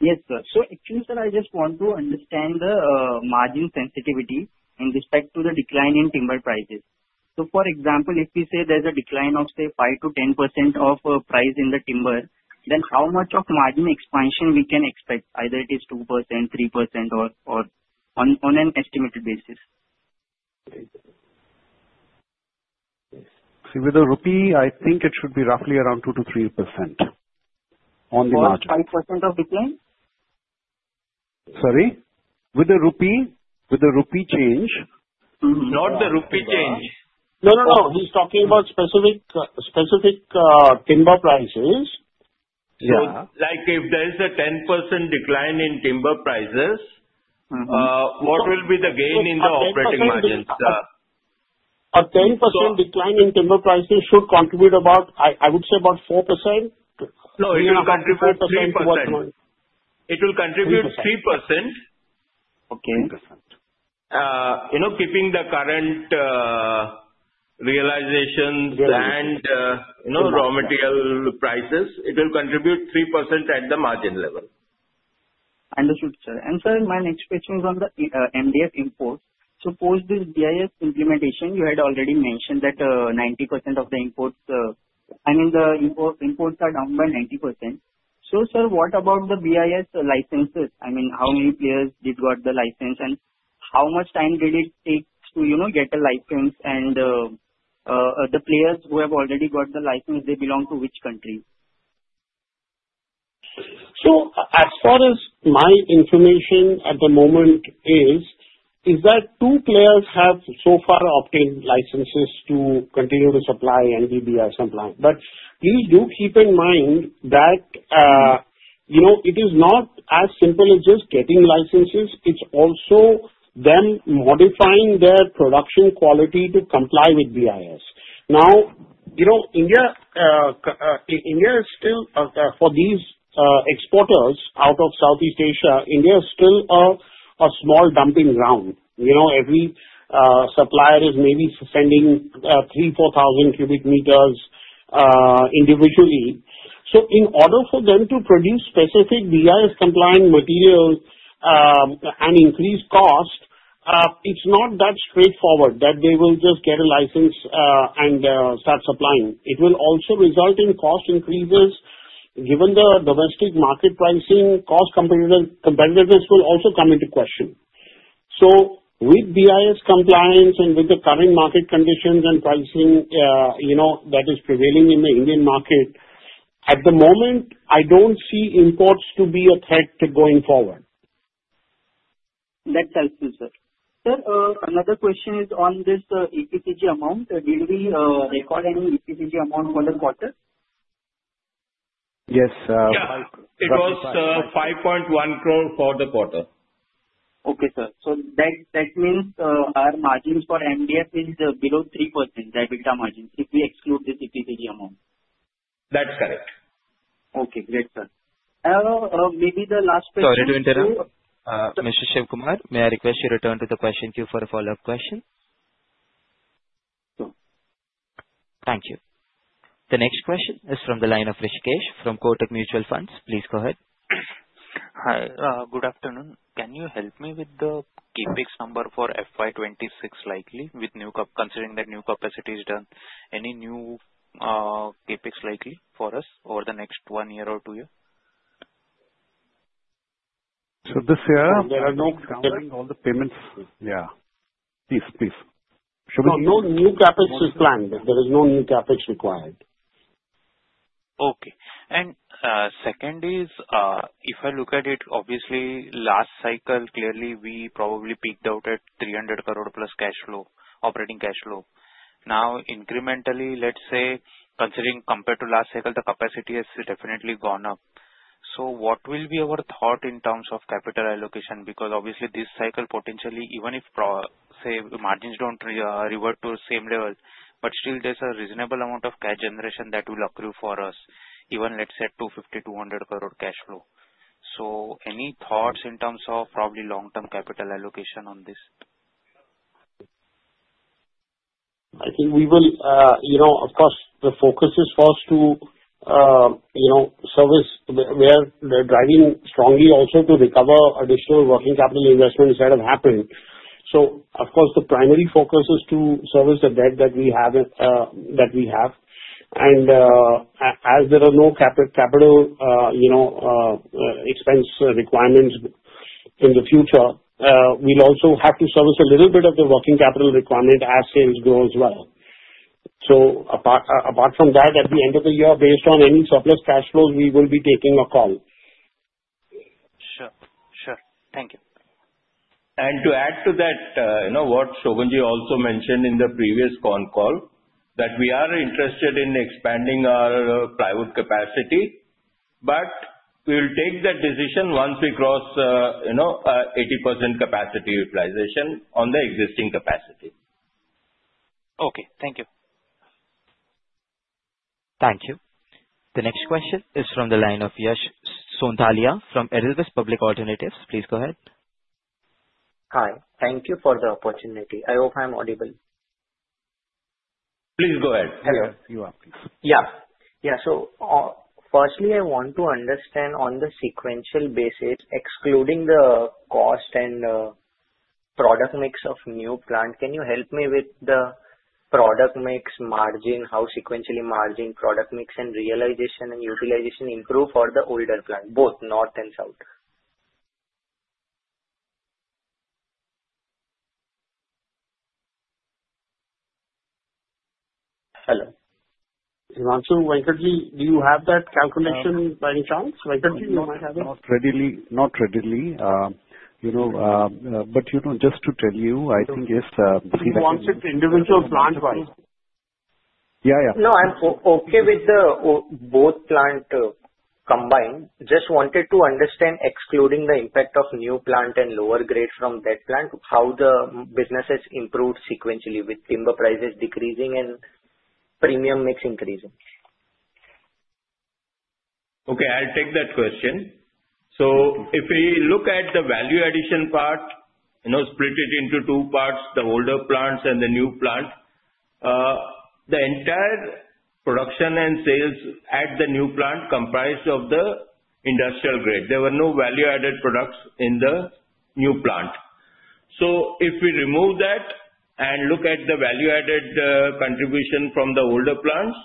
Yes, sir. So actually, sir, I just want to understand the margin sensitivity in respect to the decline in timber prices. So for example, if we say there's a decline of, say, 5%-10% of price in the timber, then how much of margin expansion we can expect, either it is 2%, 3%, or on an estimated basis? See, with the rupee, I think it should be roughly around 2%-3% on the margin. Around 5% of decline? Sorry? With the rupee change. Not the rupee change. No, no, no. He's talking about specific timber prices. Yeah. Like if there's a 10% decline in timber prices, what will be the gain in the operating margins? A 10% decline in timber prices should contribute about, I would say, about 4%? No. It will contribute 3%. It will contribute 3%. Okay. Keeping the current realizations and raw material prices, it will contribute 3% at the margin level. Understood, sir. And sir, my next question is on the MDF imports. So post this BIS implementation, you had already mentioned that 90% of the imports—I mean, the imports are down by 90%. So sir, what about the BIS licenses? I mean, how many players did got the license, and how much time did it take to get a license? And the players who have already got the license, they belong to which country? So as far as my information at the moment is that two players have so far obtained licenses to continue to supply and be BIS compliant. But please do keep in mind that it is not as simple as just getting licenses. It's also them modifying their production quality to comply with BIS. Now, India is still, for these exporters out of Southeast Asia, India is still a small dumping ground. Every supplier is maybe sending 3,000, 4,000 cubic meters individually. So in order for them to produce specific BIS-compliant materials and increase cost, it's not that straightforward that they will just get a license and start supplying. It will also result in cost increases. Given the domestic market pricing, cost competitiveness will also come into question. So with BIS compliance and with the current market conditions and pricing that is prevailing in the Indian market, at the moment, I don't see imports to be a threat going forward. That helps me, sir. Sir, another question is on this EPCG amount. Did we record any EPCG amount for the quarter? Yes. It was 5.1 crore for the quarter. Okay, sir. So that means our margins for MDF is below 3%, the EBITDA margins, if we exclude this EPCG amount. That's correct. Okay. Great, sir. Maybe the last question. Sorry to interrupt. Mr. Shiv Kumar, may I request you return to the question queue for a follow-up question? Thank you. The next question is from the line of Rishikesh from Kotak Mutual Funds. Please go ahead. Hi. Good afternoon. Can you help me with the CapEx number for FY 2026 likely with new considering that new capacity is done? Any new CapEx likely for us over the next one year or two years? So this year, there are no getting all the payments. Yeah. Please, please. No new CapEx is planned. There is no new CapEx required. Okay. And second is, if I look at it, obviously, last cycle, clearly, we probably peaked out at 300 crore plus cash flow, operating cash flow. Now, incrementally, let's say, considering compared to last cycle, the capacity has definitely gone up. So what will be our thought in terms of capital allocation? Because obviously, this cycle potentially, even if, say, margins don't revert to the same level, but still, there's a reasonable amount of cash generation that will occur for us, even, let's say, at 250, 200 crore cash flow. So any thoughts in terms of probably long-term capital allocation on this? I think we will, of course, the focus is for us to service where we're driving strongly also to recover additional working capital investments that have happened. So of course, the primary focus is to service the debt that we have that we have, and as there are no capital expense requirements in the future, we'll also have to service a little bit of the working capital requirement as sales grow as well, so apart from that, at the end of the year, based on any surplus cash flows, we will be taking a call. Sure. Sure. Thank you. To add to that, what Shobhan also mentioned in the previous conference call, that we are interested in expanding our plywood capacity, but we'll take that decision once we cross 80% capacity utilization on the existing capacity. Okay. Thank you. Thank you. The next question is from the line of Yash Sonthaliya from Edelweiss Alternative Asset Advisors. Please go ahead. Hi. Thank you for the opportunity. I hope I'm audible. Please go ahead. Yes. You are, please. Yeah. So firstly, I want to understand on the sequential basis, excluding the cost and product mix of new plant, can you help me with the product mix margin, how sequentially margin, product mix, and realization and utilization improve for the older plant, both north and south? Hello. Hi, Venkatramani. Do you have that calculation by any chance? Venkatramani, you might have it. Not readily. Not readily. But just to tell you, I think if. He wants it individual plant-wise. Yeah, yeah. No, I'm okay with both plants combined. Just wanted to understand, excluding the impact of new plant and lower grade from that plant, how the business has improved sequentially with timber prices decreasing and premium mix increasing. Okay. I'll take that question. So if we look at the value addition part, split it into two parts, the older plants and the new plant, the entire production and sales at the new plant comprised of the industrial grade. There were no value-added products in the new plant. So if we remove that and look at the value-added contribution from the older plants,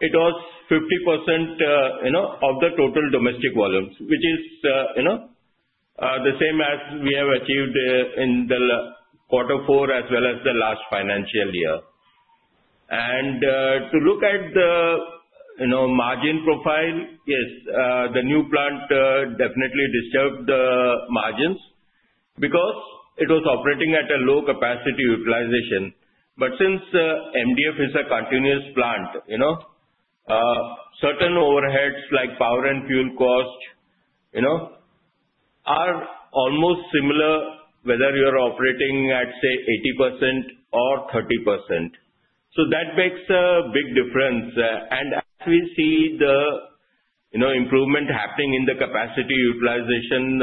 it was 50% of the total domestic volumes, which is the same as we have achieved in the quarter four as well as the last financial year. And to look at the margin profile, yes, the new plant definitely disturbed the margins because it was operating at a low capacity utilization. But since MDF is a continuous plant, certain overheads like power and fuel cost are almost similar whether you're operating at, say, 80% or 30%. So that makes a big difference. As we see the improvement happening in the capacity utilization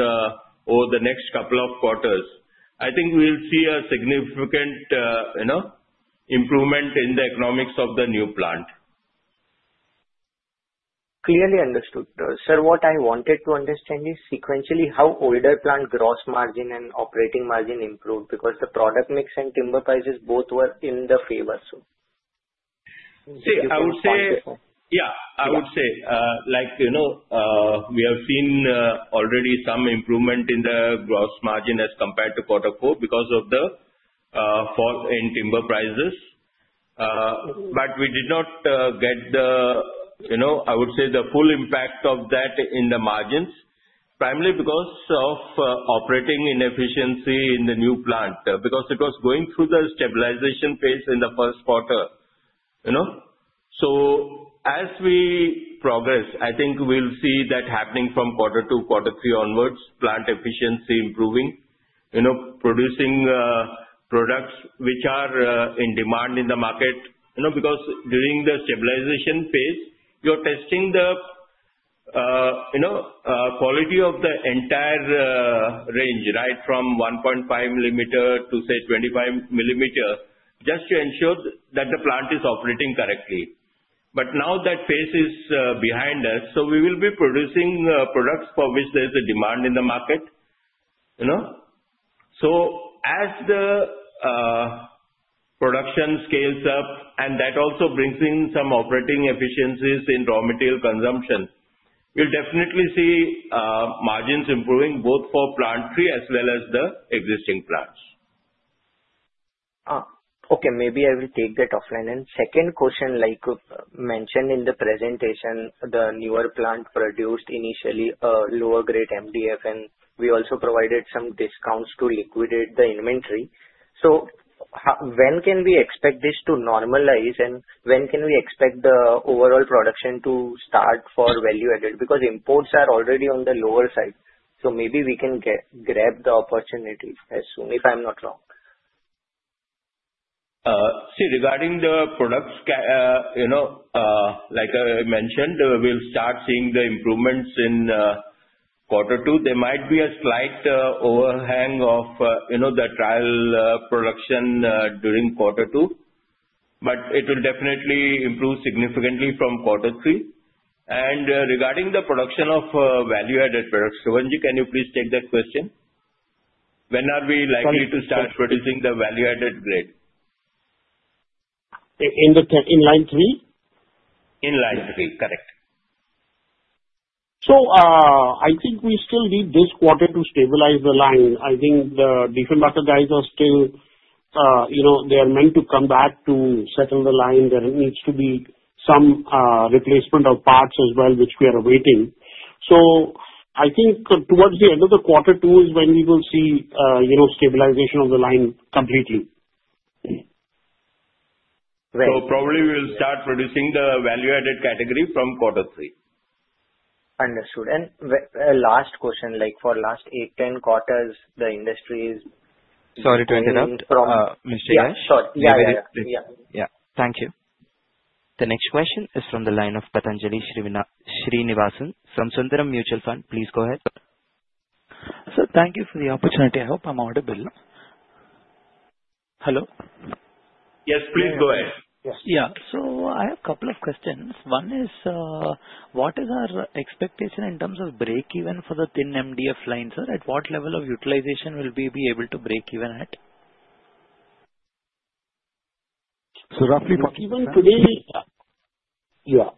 over the next couple of quarters, I think we'll see a significant improvement in the economics of the new plant. Clearly understood. Sir, what I wanted to understand is sequentially how older plant gross margin and operating margin improved because the product mix and timber prices both were in the favor? See, I would say. Before the quarter four. Yeah. I would say we have seen already some improvement in the gross margin as compared to quarter four because of the fall in timber prices. But we did not get, I would say, the full impact of that in the margins, primarily because of operating inefficiency in the new plant because it was going through the stabilization phase in the first quarter. So as we progress, I think we'll see that happening from quarter two, quarter three onwards, plant efficiency improving, producing products which are in demand in the market because during the stabilization phase, you're testing the quality of the entire range, right, from 1.5 millimeter to, say, 25 millimeter, just to ensure that the plant is operating correctly. But now that phase is behind us, so we will be producing products for which there's a demand in the market. So as the production scales up, and that also brings in some operating efficiencies in raw material consumption, we'll definitely see margins improving both for plant three as well as the existing plants. Okay. Maybe I will take that offline, and second question, like mentioned in the presentation, the newer plant produced initially lower grade MDF, and we also provided some discounts to liquidate the inventory, so when can we expect this to normalize, and when can we expect the overall production to start for value-added? Because imports are already on the lower side, so maybe we can grab the opportunity as soon if I'm not wrong. See, regarding the products, like I mentioned, we'll start seeing the improvements in quarter two. There might be a slight overhang of the trial production during quarter two, but it will definitely improve significantly from quarter three. And regarding the production of value-added products, Shobhan, can you please take that question? When are we likely to start producing the value-added grade? In line three? In line three. Correct. So I think we still need this quarter to stabilize the line. I think the Dieffenbacher are still, they are meant to come back to settle the line. There needs to be some replacement of parts as well, which we are awaiting. So I think towards the end of the quarter two is when we will see stabilization of the line completely. Great. So probably we'll start producing the value-added category from quarter three. Understood. And last question, for last eight, 10 quarters, the industry is. Sorry to interrupt. From. Mr. Yash? Yes. Sure. Yeah, yeah, yeah. Yeah. Thank you. The next question is from the line of Pathanjali Srinivasan, Sundaram Mutual Fund. Please go ahead. Sir, thank you for the opportunity. I hope I'm audible. Hello? Yes. Please go ahead. Yes. Yeah. So I have a couple of questions. One is, what is our expectation in terms of break-even for the thin MDF line, sir? At what level of utilization will we be able to break-even at? So roughly. Break-even today? Yeah.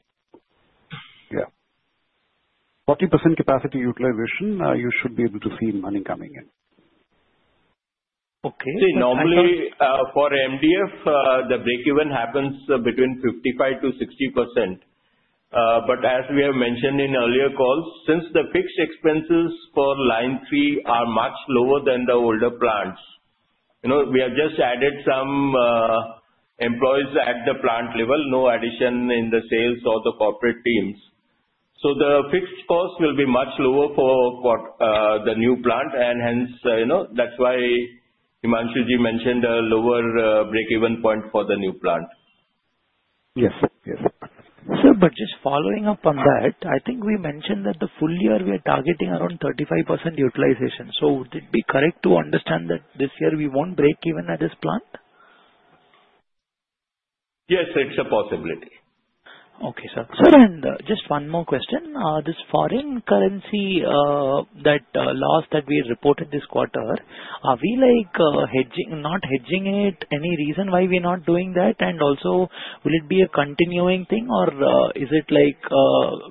40% capacity utilization, you should be able to see money coming in. Okay. Normally, for MDF, the break-even happens between 55% to 60%. But as we have mentioned in earlier calls, since the fixed expenses for line three are much lower than the older plants, we have just added some employees at the plant level, no addition in the sales or the corporate teams, so the fixed cost will be much lower for the new plant, and hence that's why Himanshu mentioned a lower break-even point for the new plant. Yes. Yes. Sir, but just following up on that, I think we mentioned that the full year we are targeting around 35% utilization. So would it be correct to understand that this year we won't break-even at this plant? Yes. It's a possibility. Okay, sir. Sir, and just one more question. This foreign currency loss that we reported this quarter, are we not hedging it? Any reason why we're not doing that? And also, will it be a continuing thing, or is it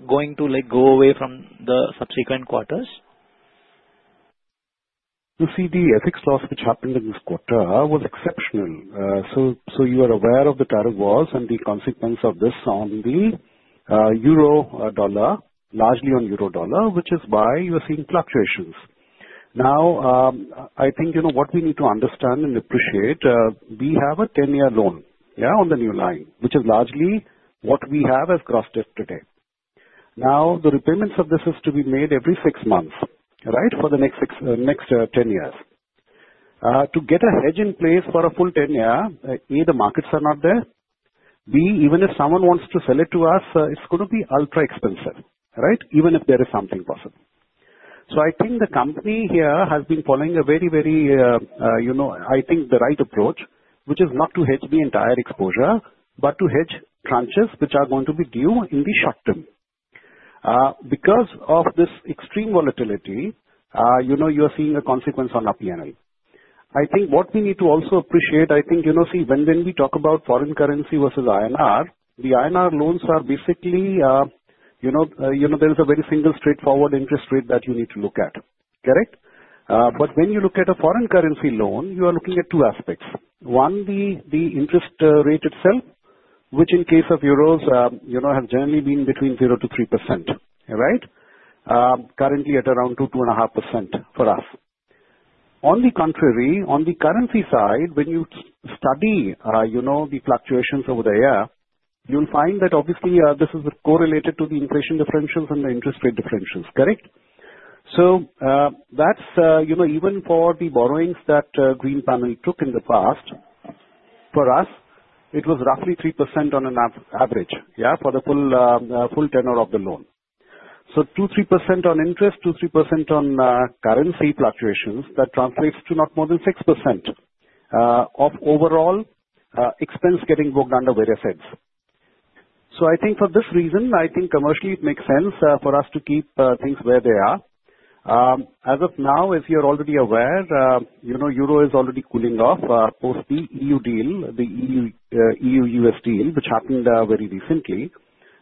going to go away from the subsequent quarters? You see, the forex loss which happened in this quarter was exceptional. So you are aware of the tariff wars and the consequence of this on the Euro-Dollar, largely on Euro-Dollar, which is why you are seeing fluctuations. Now, I think what we need to understand and appreciate, we have a 10-year loan, yeah, on the new line, which is largely what we have as gross debt today. Now, the repayments of this is to be made every six months, right, for the next 10 years. To get a hedge in place for a full 10-year, A, the markets are not there. B, even if someone wants to sell it to us, it's going to be ultra expensive, right, even if there is something possible. So I think the company here has been following a very, very, I think the right approach, which is not to hedge the entire exposure, but to hedge tranches which are going to be due in the short term. Because of this extreme volatility, you are seeing a consequence on our P&L. I think what we need to also appreciate, I think, see, when we talk about foreign currency versus INR, the INR loans are basically, there is a very single straightforward interest rate that you need to look at. Correct? But when you look at a foreign currency loan, you are looking at two aspects. One, the interest rate itself, which in case of euros has generally been between 0%-3%, right, currently at around 2%-2.5% for us. On the contrary, on the currency side, when you study the fluctuations over the year, you'll find that obviously this is correlated to the inflation differentials and the interest rate differentials. Correct? So even for the borrowings that Greenpanel took in the past, for us, it was roughly 3% on an average, yeah, for the full tenor of the loan. So 2-3% on interest, 2-3% on currency fluctuations, that translates to not more than 6% of overall expense getting booked under various heads. So I think for this reason, I think commercially it makes sense for us to keep things where they are. As of now, as you're already aware, euro is already cooling off post-E.U. deal, the E.U.-U.S. deal, which happened very recently.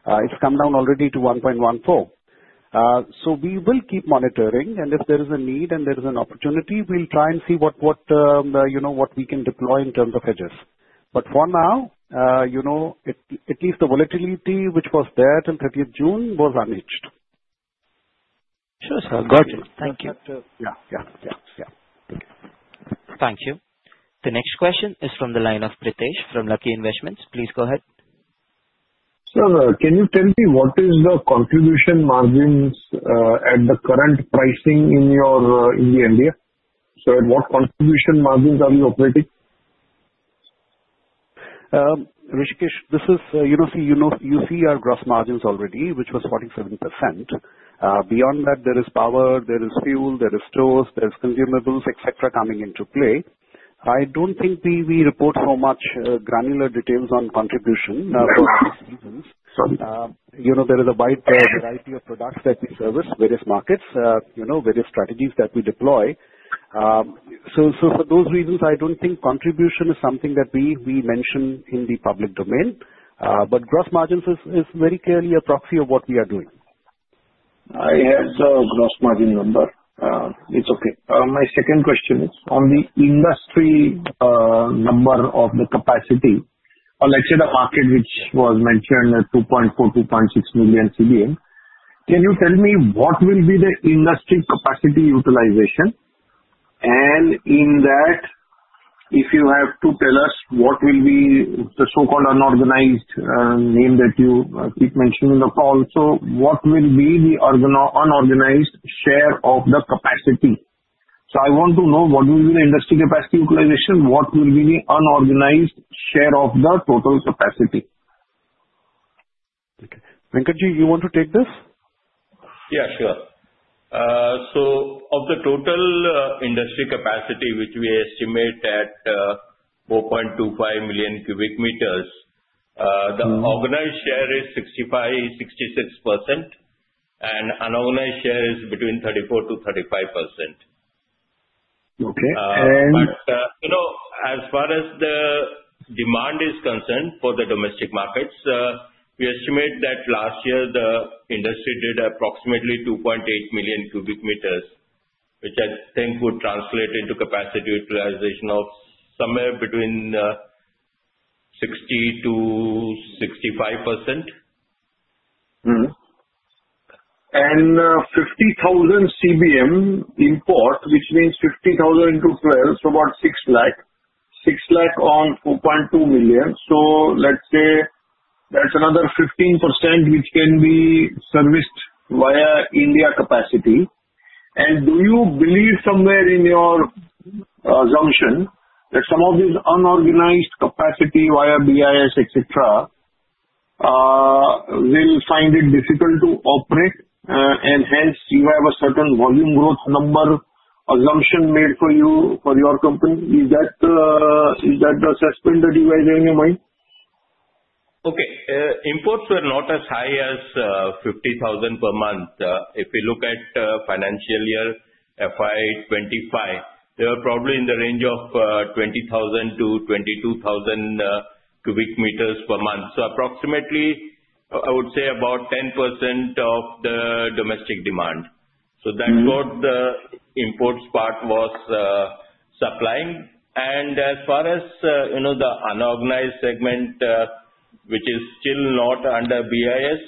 It's come down already to 1.14. So we will keep monitoring, and if there is a need and there is an opportunity, we'll try and see what we can deploy in terms of hedges. But for now, at least the volatility which was there till 30th June was unhedged. Sure, sir. Gotcha. Thank you. Yeah. Yeah. Yeah. Yeah. Thank you. Thank you. The next question is from the line of Pritesh from Lucky Investments. Please go ahead. Sir, can you tell me what is the contribution margins at the current pricing in the MDF? So at what contribution margins are you operating? Pritesh, this is. See, you see our gross margins already, which was 47%. Beyond that, there is power, there is fuel, there is stores, there is consumables, etc., coming into play. I don't think we report so much granular details on contribution for these reasons. Sorry. There is a wide variety of products that we service, various markets, various strategies that we deploy. So for those reasons, I don't think contribution is something that we mention in the public domain. But gross margins is very clearly a proxy of what we are doing. I had the gross margin number. It's okay. My second question is on the industry number of the capacity, or let's say the market which was mentioned at 2.4-2.6 million CBM. Can you tell me what will be the industry capacity utilization? And in that, if you have to tell us what will be the so-called unorganized segment that you keep mentioning in the call, so what will be the unorganized share of the capacity? So I want to know what will be the industry capacity utilization, what will be the unorganized share of the total capacity? Okay. Venkatramani, you want to take this? Yeah. Sure. So of the total industry capacity, which we estimate at 4.25 million cubic meters, the organized share is 65%-66%, and unorganized share is between 34%-35%. Okay. And. But as far as the demand is concerned for the domestic markets, we estimate that last year the industry did approximately 2.8 million cubic meters, which I think would translate into capacity utilization of somewhere between 60%-65%. And 50,000 CBM import, which means 50,000 into 12, so about 6 lakh. 6 lakh on 4.2 million. So let's say that's another 15% which can be serviced via India capacity. And do you believe somewhere in your assumption that some of these unorganized capacity via BIS, etc., will find it difficult to operate? And hence, you have a certain volume growth number assumption made for your company. Is that the assessment that you guys have in your mind? Okay. Imports were not as high as 50,000 per month. If you look at financial year FY 2025, they were probably in the range of 20,000-22,000 cubic meters per month. So approximately, I would say about 10% of the domestic demand. So that's what the imports part was supplying. And as far as the unorganized segment, which is still not under BIS,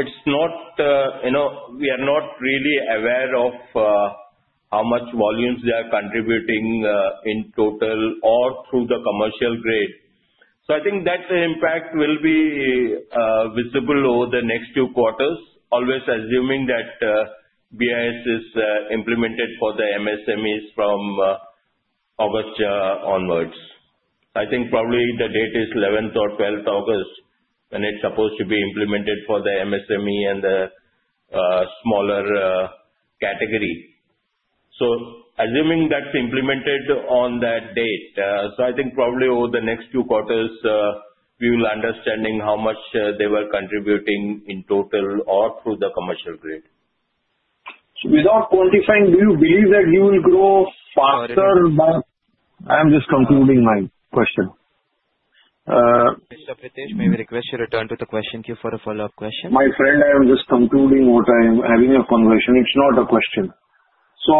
it's not—we are not really aware of how much volumes they are contributing in total or through the commercial grade. So I think that impact will be visible over the next two quarters, always assuming that BIS is implemented for the MSMEs from August onwards. I think probably the date is 11th or 12th August when it's supposed to be implemented for the MSME and the smaller category. So assuming that's implemented on that date, so I think probably over the next two quarters, we will understand how much they were contributing in total or through the commercial grade. So without quantifying, do you believe that you will grow faster by? I'm just concluding my question. Mr. Pritesh, may we request you return to the question queue for a follow-up question? My friend, I am just concluding what I'm having a conversation. It's not a question. So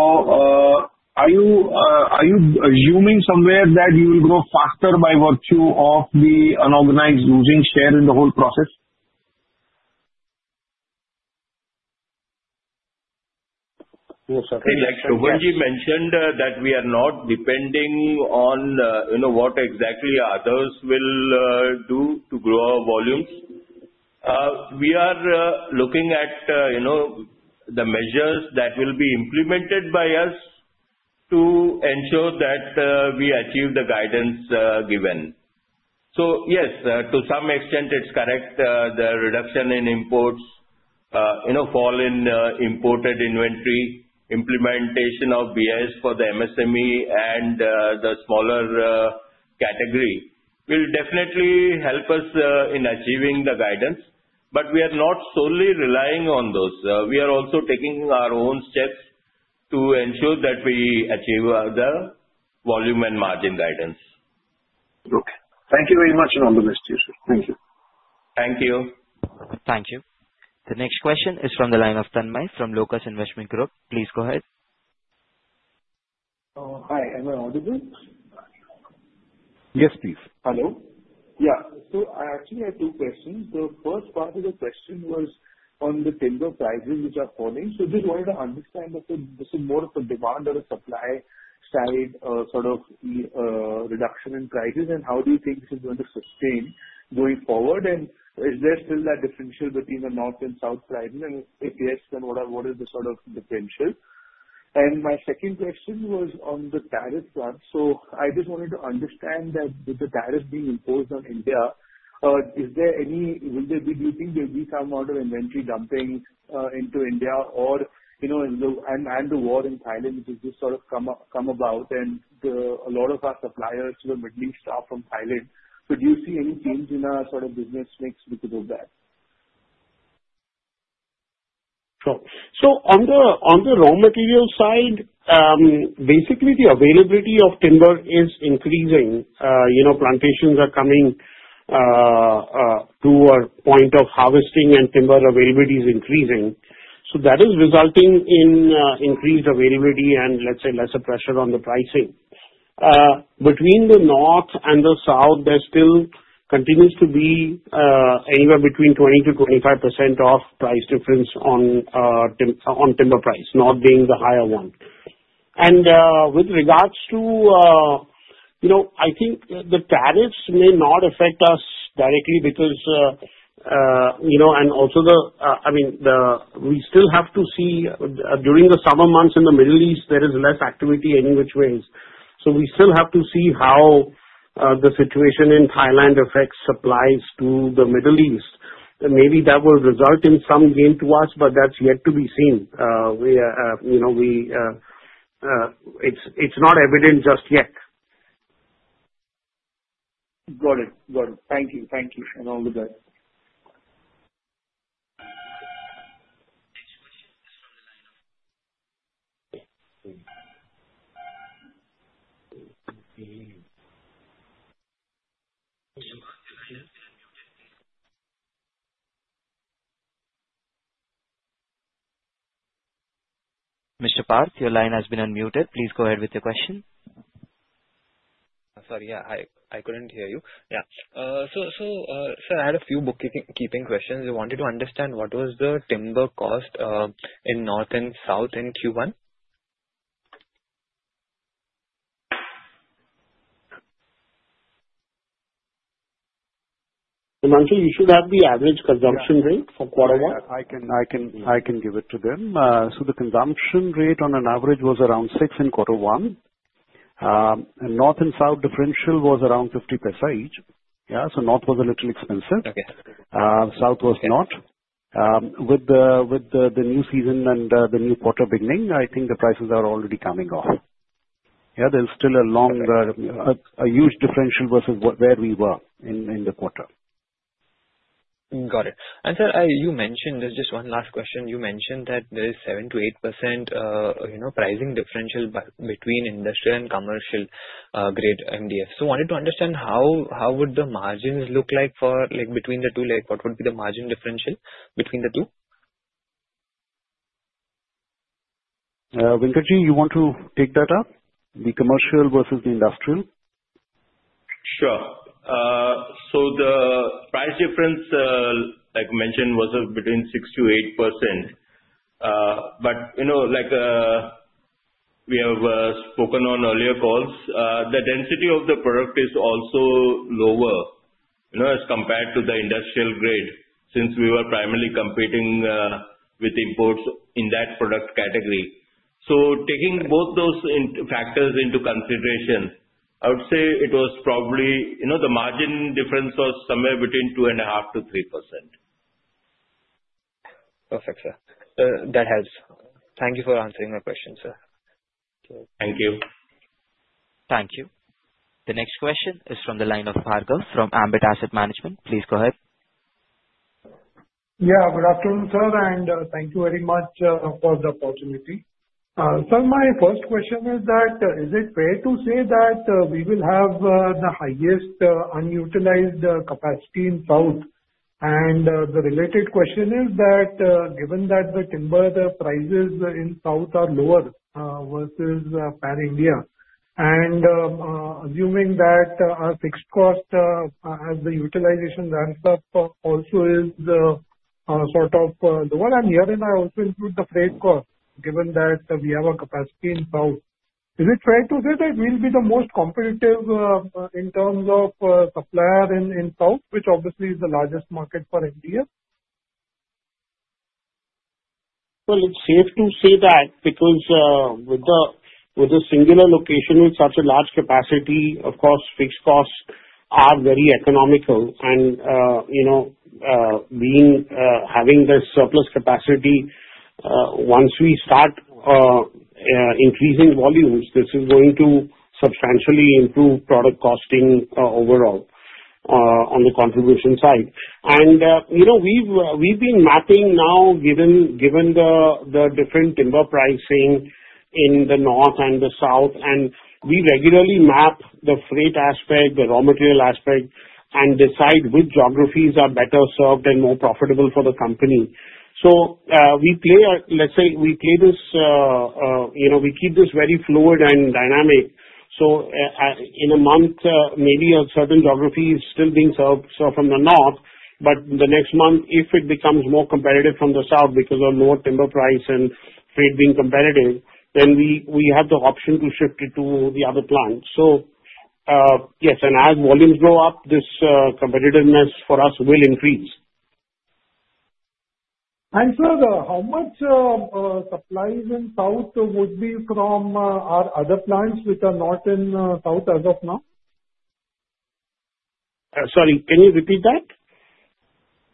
are you assuming somewhere that you will grow faster by virtue of the unorganized losing share in the whole process? Yes, sir. Okay. So when you mentioned that we are not depending on what exactly others will do to grow our volumes, we are looking at the measures that will be implemented by us to ensure that we achieve the guidance given. So yes, to some extent, it's correct. The reduction in imports, fall in imported inventory, implementation of BIS for the MSME and the smaller category will definitely help us in achieving the guidance. But we are not solely relying on those. We are also taking our own steps to ensure that we achieve the volume and margin guidance. Okay. Thank you very much and all the best, Yash. Thank you. Thank you. Thank you. The next question is from the line of Tanmaiy from Locus Investment Group. Please go ahead. Hi. Am I audible? Yes, please. Hello? Yeah. So I actually had two questions. The first part of the question was on the timber prices which are falling. So just wanted to understand if this is more of a demand or a supply-side sort of reduction in prices, and how do you think this is going to sustain going forward? And is there still that differential between the north and south prices? And if yes, then what is the sort of differential? And my second question was on the tariff front. So I just wanted to understand that with the tariff being imposed on India, is there any, will there be, do you think there will be some sort of inventory dumping into India? And the war in Thailand which has just sort of come about, and a lot of our suppliers were holding stock from Thailand. So do you see any change in our sort of business mix because of that? Sure. So on the raw material side, basically, the availability of timber is increasing. Plantations are coming to a point of harvesting, and timber availability is increasing. So that is resulting in increased availability and, let's say, lesser pressure on the pricing. Between the north and the south, there still continues to be anywhere between 20%-25% price difference on timber price, north being the higher one. And with regards to, I think the tariffs may not affect us directly because, and also, I mean, we still have to see during the summer months in the Middle East, there is less activity in which ways. So we still have to see how the situation in Thailand affects supplies to the Middle East. Maybe that will result in some gain to us, but that's yet to be seen. It's not evident just yet. Got it. Got it. Thank you. Thank you. And all the best. Mr. Parth, your line has been unmuted. Please go ahead with your question. Sorry. Yeah. I couldn't hear you. Yeah. So sir, I had a few bookkeeping questions. I wanted to understand what was the timber cost in north and south in Q1? Venkat, you should have the average consumption rate for quarter one. I can give it to them. So the consumption rate on an average was around six in quarter one. North and south differential was around 0.50 each. Yeah. So north was a little expensive. South was not. With the new season and the new quarter beginning, I think the prices are already coming off. Yeah. There's still a huge differential versus where we were in the quarter. Got it. And sir, you mentioned. There's just one last question. You mentioned that there is 7%-8% pricing differential between industrial and commercial-grade MDF. So I wanted to understand how would the margins look like between the two? What would be the margin differential between the two? Venkatramani, you want to take that up? The commercial versus the industrial? Sure. So the price difference, like I mentioned, was between 6% to 8%. But like we have spoken on earlier calls, the density of the product is also lower as compared to the industrial-grade since we were primarily competing with imports in that product category. So taking both those factors into consideration, I would say it was probably the margin difference was somewhere between 2.5% to 3%. Perfect, sir. That helps. Thank you for answering my question, sir. Thank you. Thank you. The next question is from the line of Bhargav from Ambit Asset Management. Please go ahead. Yeah. Good afternoon, sir. And thank you very much for the opportunity. Sir, my first question is that is it fair to say that we will have the highest unutilized capacity in South? And the related question is that given that the timber prices in South are lower versus pan-India, and assuming that our fixed cost as the utilization ramp-up also is sort of lower, and herein I also include the freight cost, given that we have a capacity in South, is it fair to say that we'll be the most competitive in terms of supplier in South, which obviously is the largest market for India? Well, it's safe to say that because with a singular location with such a large capacity, of course, fixed costs are very economical. Having this surplus capacity, once we start increasing volumes, this is going to substantially improve product costing overall on the contribution side. We've been mapping now, given the different timber pricing in the north and the south. We regularly map the freight aspect, the raw material aspect, and decide which geographies are better served and more profitable for the company. Let's say we play this, we keep this very fluid and dynamic. In a month, maybe a certain geography is still being served from the north, but the next month, if it becomes more competitive from the south because of lower timber price and freight being competitive, then we have the option to shift it to the other plant. Yes. As volumes go up, this competitiveness for us will increase. And, sir, how much supplies in south would be from our other plants which are not in south as of now? Sorry. Can you repeat that?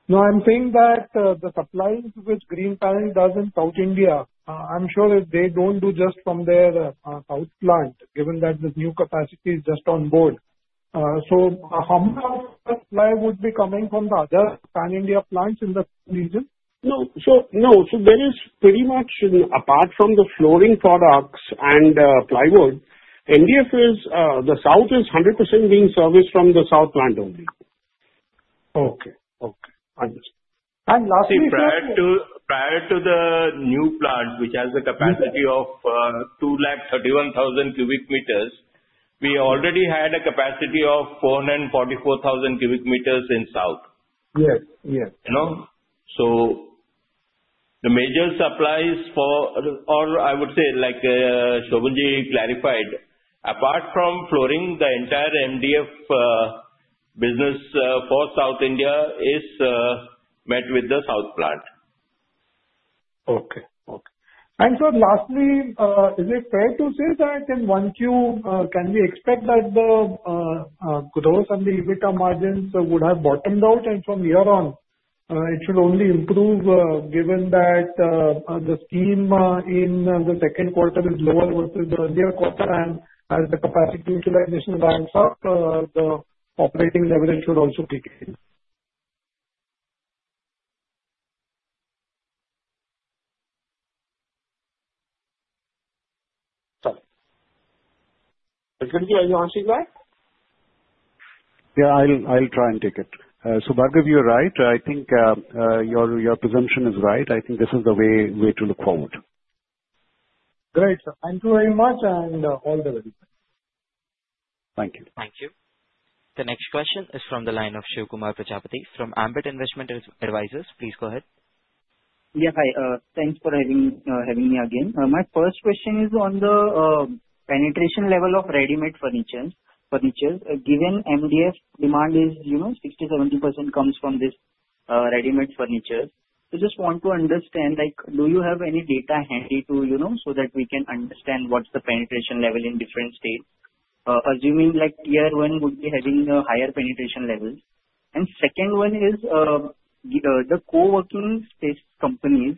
No, I'm saying that the supplies which Greenpanel does in south India. I'm sure they don't do just from their south plant, given that the new capacity is just on board. So how much supply would be coming from the other pan-India plants in the region? No. So there is pretty much, apart from the flooring products and plywood, the south is 100% being serviced from the south plant only. Okay. Okay. Understood. And lastly. See, prior to the new plant, which has a capacity of 231,000 cubic meters, we already had a capacity of 444,000 cubic meters in South. Yes. Yes. So the major supplies for, or I would say, like Shobhan clarified, apart from flooring, the entire MDF business for South India is met with the south plant. Okay. And sir, lastly, is it fair to say that in Q1, can we expect that the gross and the EBITDA margins would have bottomed out, and from here on, it should only improve given that the spread in the second quarter is lower versus the earlier quarter? And as the capacity utilization ramps up, the operating leverage should also kick in. Sorry. Venkatramani, are you answering that? Yeah. I'll try and take it. So Bhargav, you're right. I think your presumption is right. I think this is the way to look forward. Great. Thank you very much. And all the best. Thank you. Thank you. The next question is from the line of Shivkumar Prajapati from Ambit Investment Advisors. Please go ahead. Yes. Hi. Thanks for having me again. My first question is on the penetration level of ready-made furniture. Given MDF demand is 60%-70% comes from these ready-made furniture, I just want to understand, do you have any data handy so that we can understand what's the penetration level in different states? Assuming tier one would be having a higher penetration level. And second one is the co-working space companies,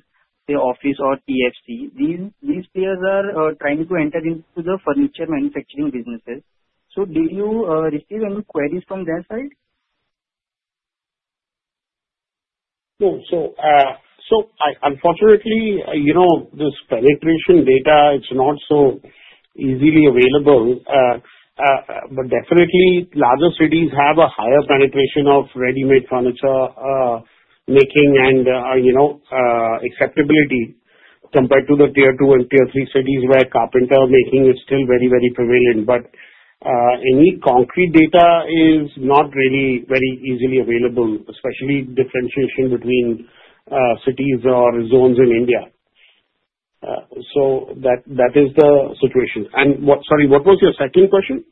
Awfis or TEC, these players are trying to enter into the furniture manufacturing businesses. So did you receive any queries from their side? No. So unfortunately, this penetration data, it's not so easily available. But definitely, larger cities have a higher penetration of ready-made furniture making and acceptability compared to the tier two and tier three cities where carpenter making is still very, very prevalent. But any concrete data is not really very easily available, especially differentiation between cities or zones in India. So that is the situation. And sorry, what was your second question?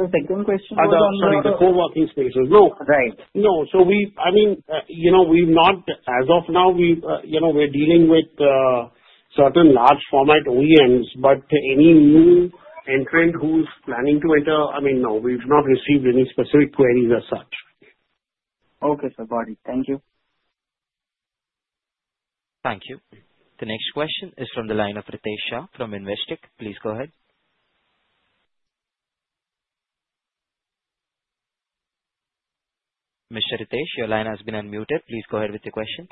The second question was on. Oh, sorry. The co-working spaces. No. Right. No. So I mean, as of now, we're dealing with certain large format OEMs. But any new entrant who's planning to enter, I mean, no, we've not received any specific queries as such. Okay. So, Bhargav, thank you. Thank you. The next question is from the line of Ritesh Shah from Investec. Please go ahead. Mr. Ritesh, your line has been unmuted. Please go ahead with your question.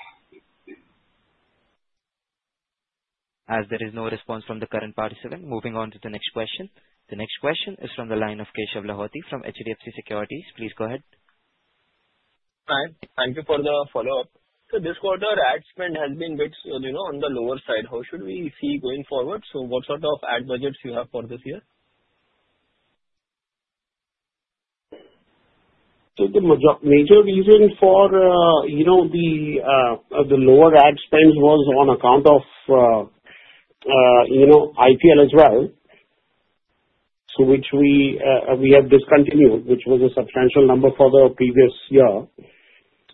As there is no response from the current participant, moving on to the next question. The next question is from the line of Keshav Lahoti from HDFC Securities. Please go ahead. Hi. Thank you for the follow-up. So this quarter, ad spend has been a bit on the lower side. How should we see going forward? So what sort of ad budgets do you have for this year? So the major reason for the lower ad spend was on account of IPL as well, which we have discontinued, which was a substantial number for the previous year.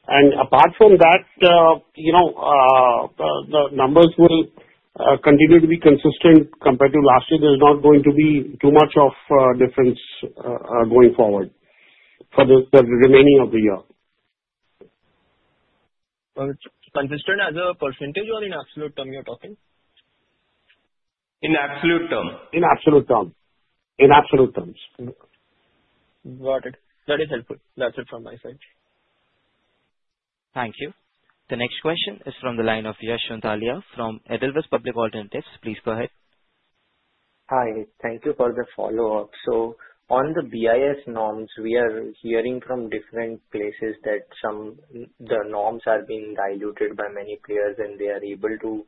And apart from that, the numbers will continue to be consistent compared to last year. There's not going to be too much of a difference going forward for the remaining of the year. Consistent as a percentage or in absolute terms you're talking? In absolute terms. In absolute term. In absolute terms. Got it. That is helpful. That's it from my side. Thank you. The next question is from the line of Yash Sonthaliya from Edelweiss Alternative Asset Advisors. Please go ahead. Hi. Thank you for the follow-up. So on the BIS norms, we are hearing from different places that the norms are being diluted by many players, and they are able to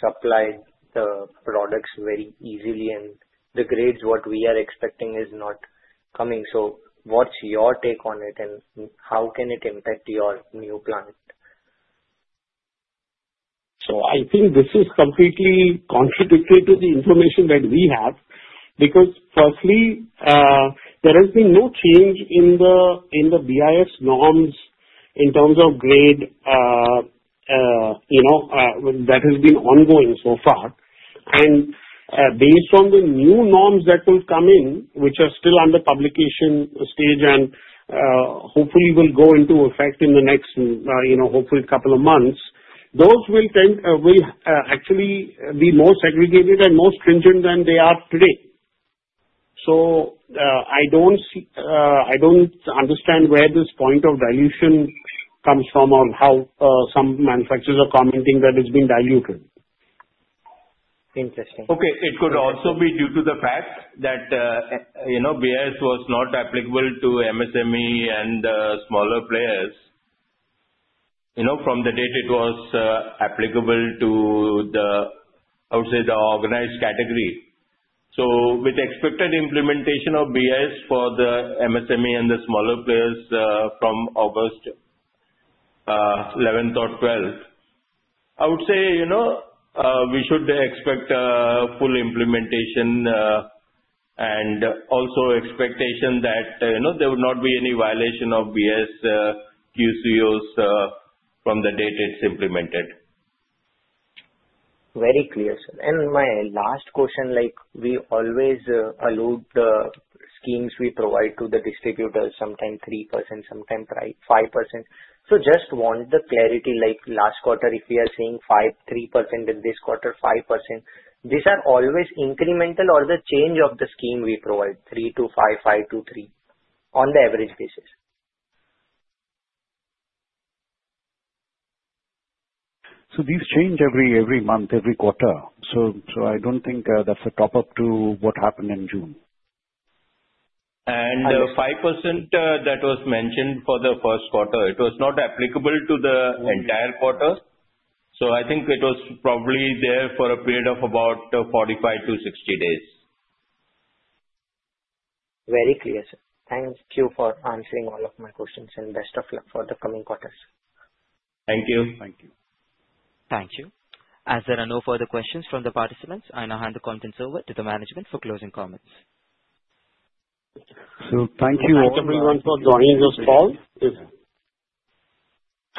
supply the products very easily. And the grades what we are expecting is not coming. So what's your take on it, and how can it impact your new plant? So I think this is completely contradictory to the information that we have because, firstly, there has been no change in the BIS norms in terms of grade that has been ongoing so far. And based on the new norms that will come in, which are still under publication stage and hopefully will go into effect in the next hopefully couple of months, those will actually be more segregated and more stringent than they are today. So I don't understand where this point of dilution comes from or how some manufacturers are commenting that it's been diluted. Interesting. Okay. It could also be due to the fact that BIS was not applicable to MSME and smaller players from the date it was applicable to, I would say, the organized category. So with expected implementation of BIS for the MSME and the smaller players from August 11th or 12th, I would say we should expect full implementation and also expectation that there would not be any violation of BIS QCOs from the date it's implemented. Very clear, sir, and my last question, we always allude the schemes we provide to the distributors, sometimes 3%, sometimes 5%. So just want the clarity. Last quarter, if we are seeing 3% in this quarter, 5%, these are always incremental or the change of the scheme we provide, 3%-5%, 5%-3% on the average basis? So these change every month, every quarter. So I don't think that's a top-up to what happened in June. 5% that was mentioned for the first quarter. It was not applicable to the entire quarter. So I think it was probably there for a period of about 45-60 days. Very clear, sir. Thank you for answering all of my questions, and best of luck for the coming quarters. Thank you. Thank you. Thank you. As there are no further questions from the participants, I now hand the contents over to the management for closing comments. Thank you all. Thank everyone for joining this call.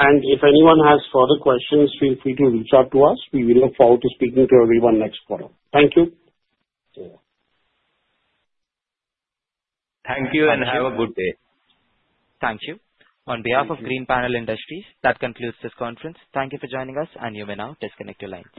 And if anyone has further questions, feel free to reach out to us. We will look forward to speaking to everyone next quarter. Thank you. Thank you and have a good day. Thank you. On behalf of Greenpanel Industries, that concludes this conference. Thank you for joining us, and you may now disconnect your lines.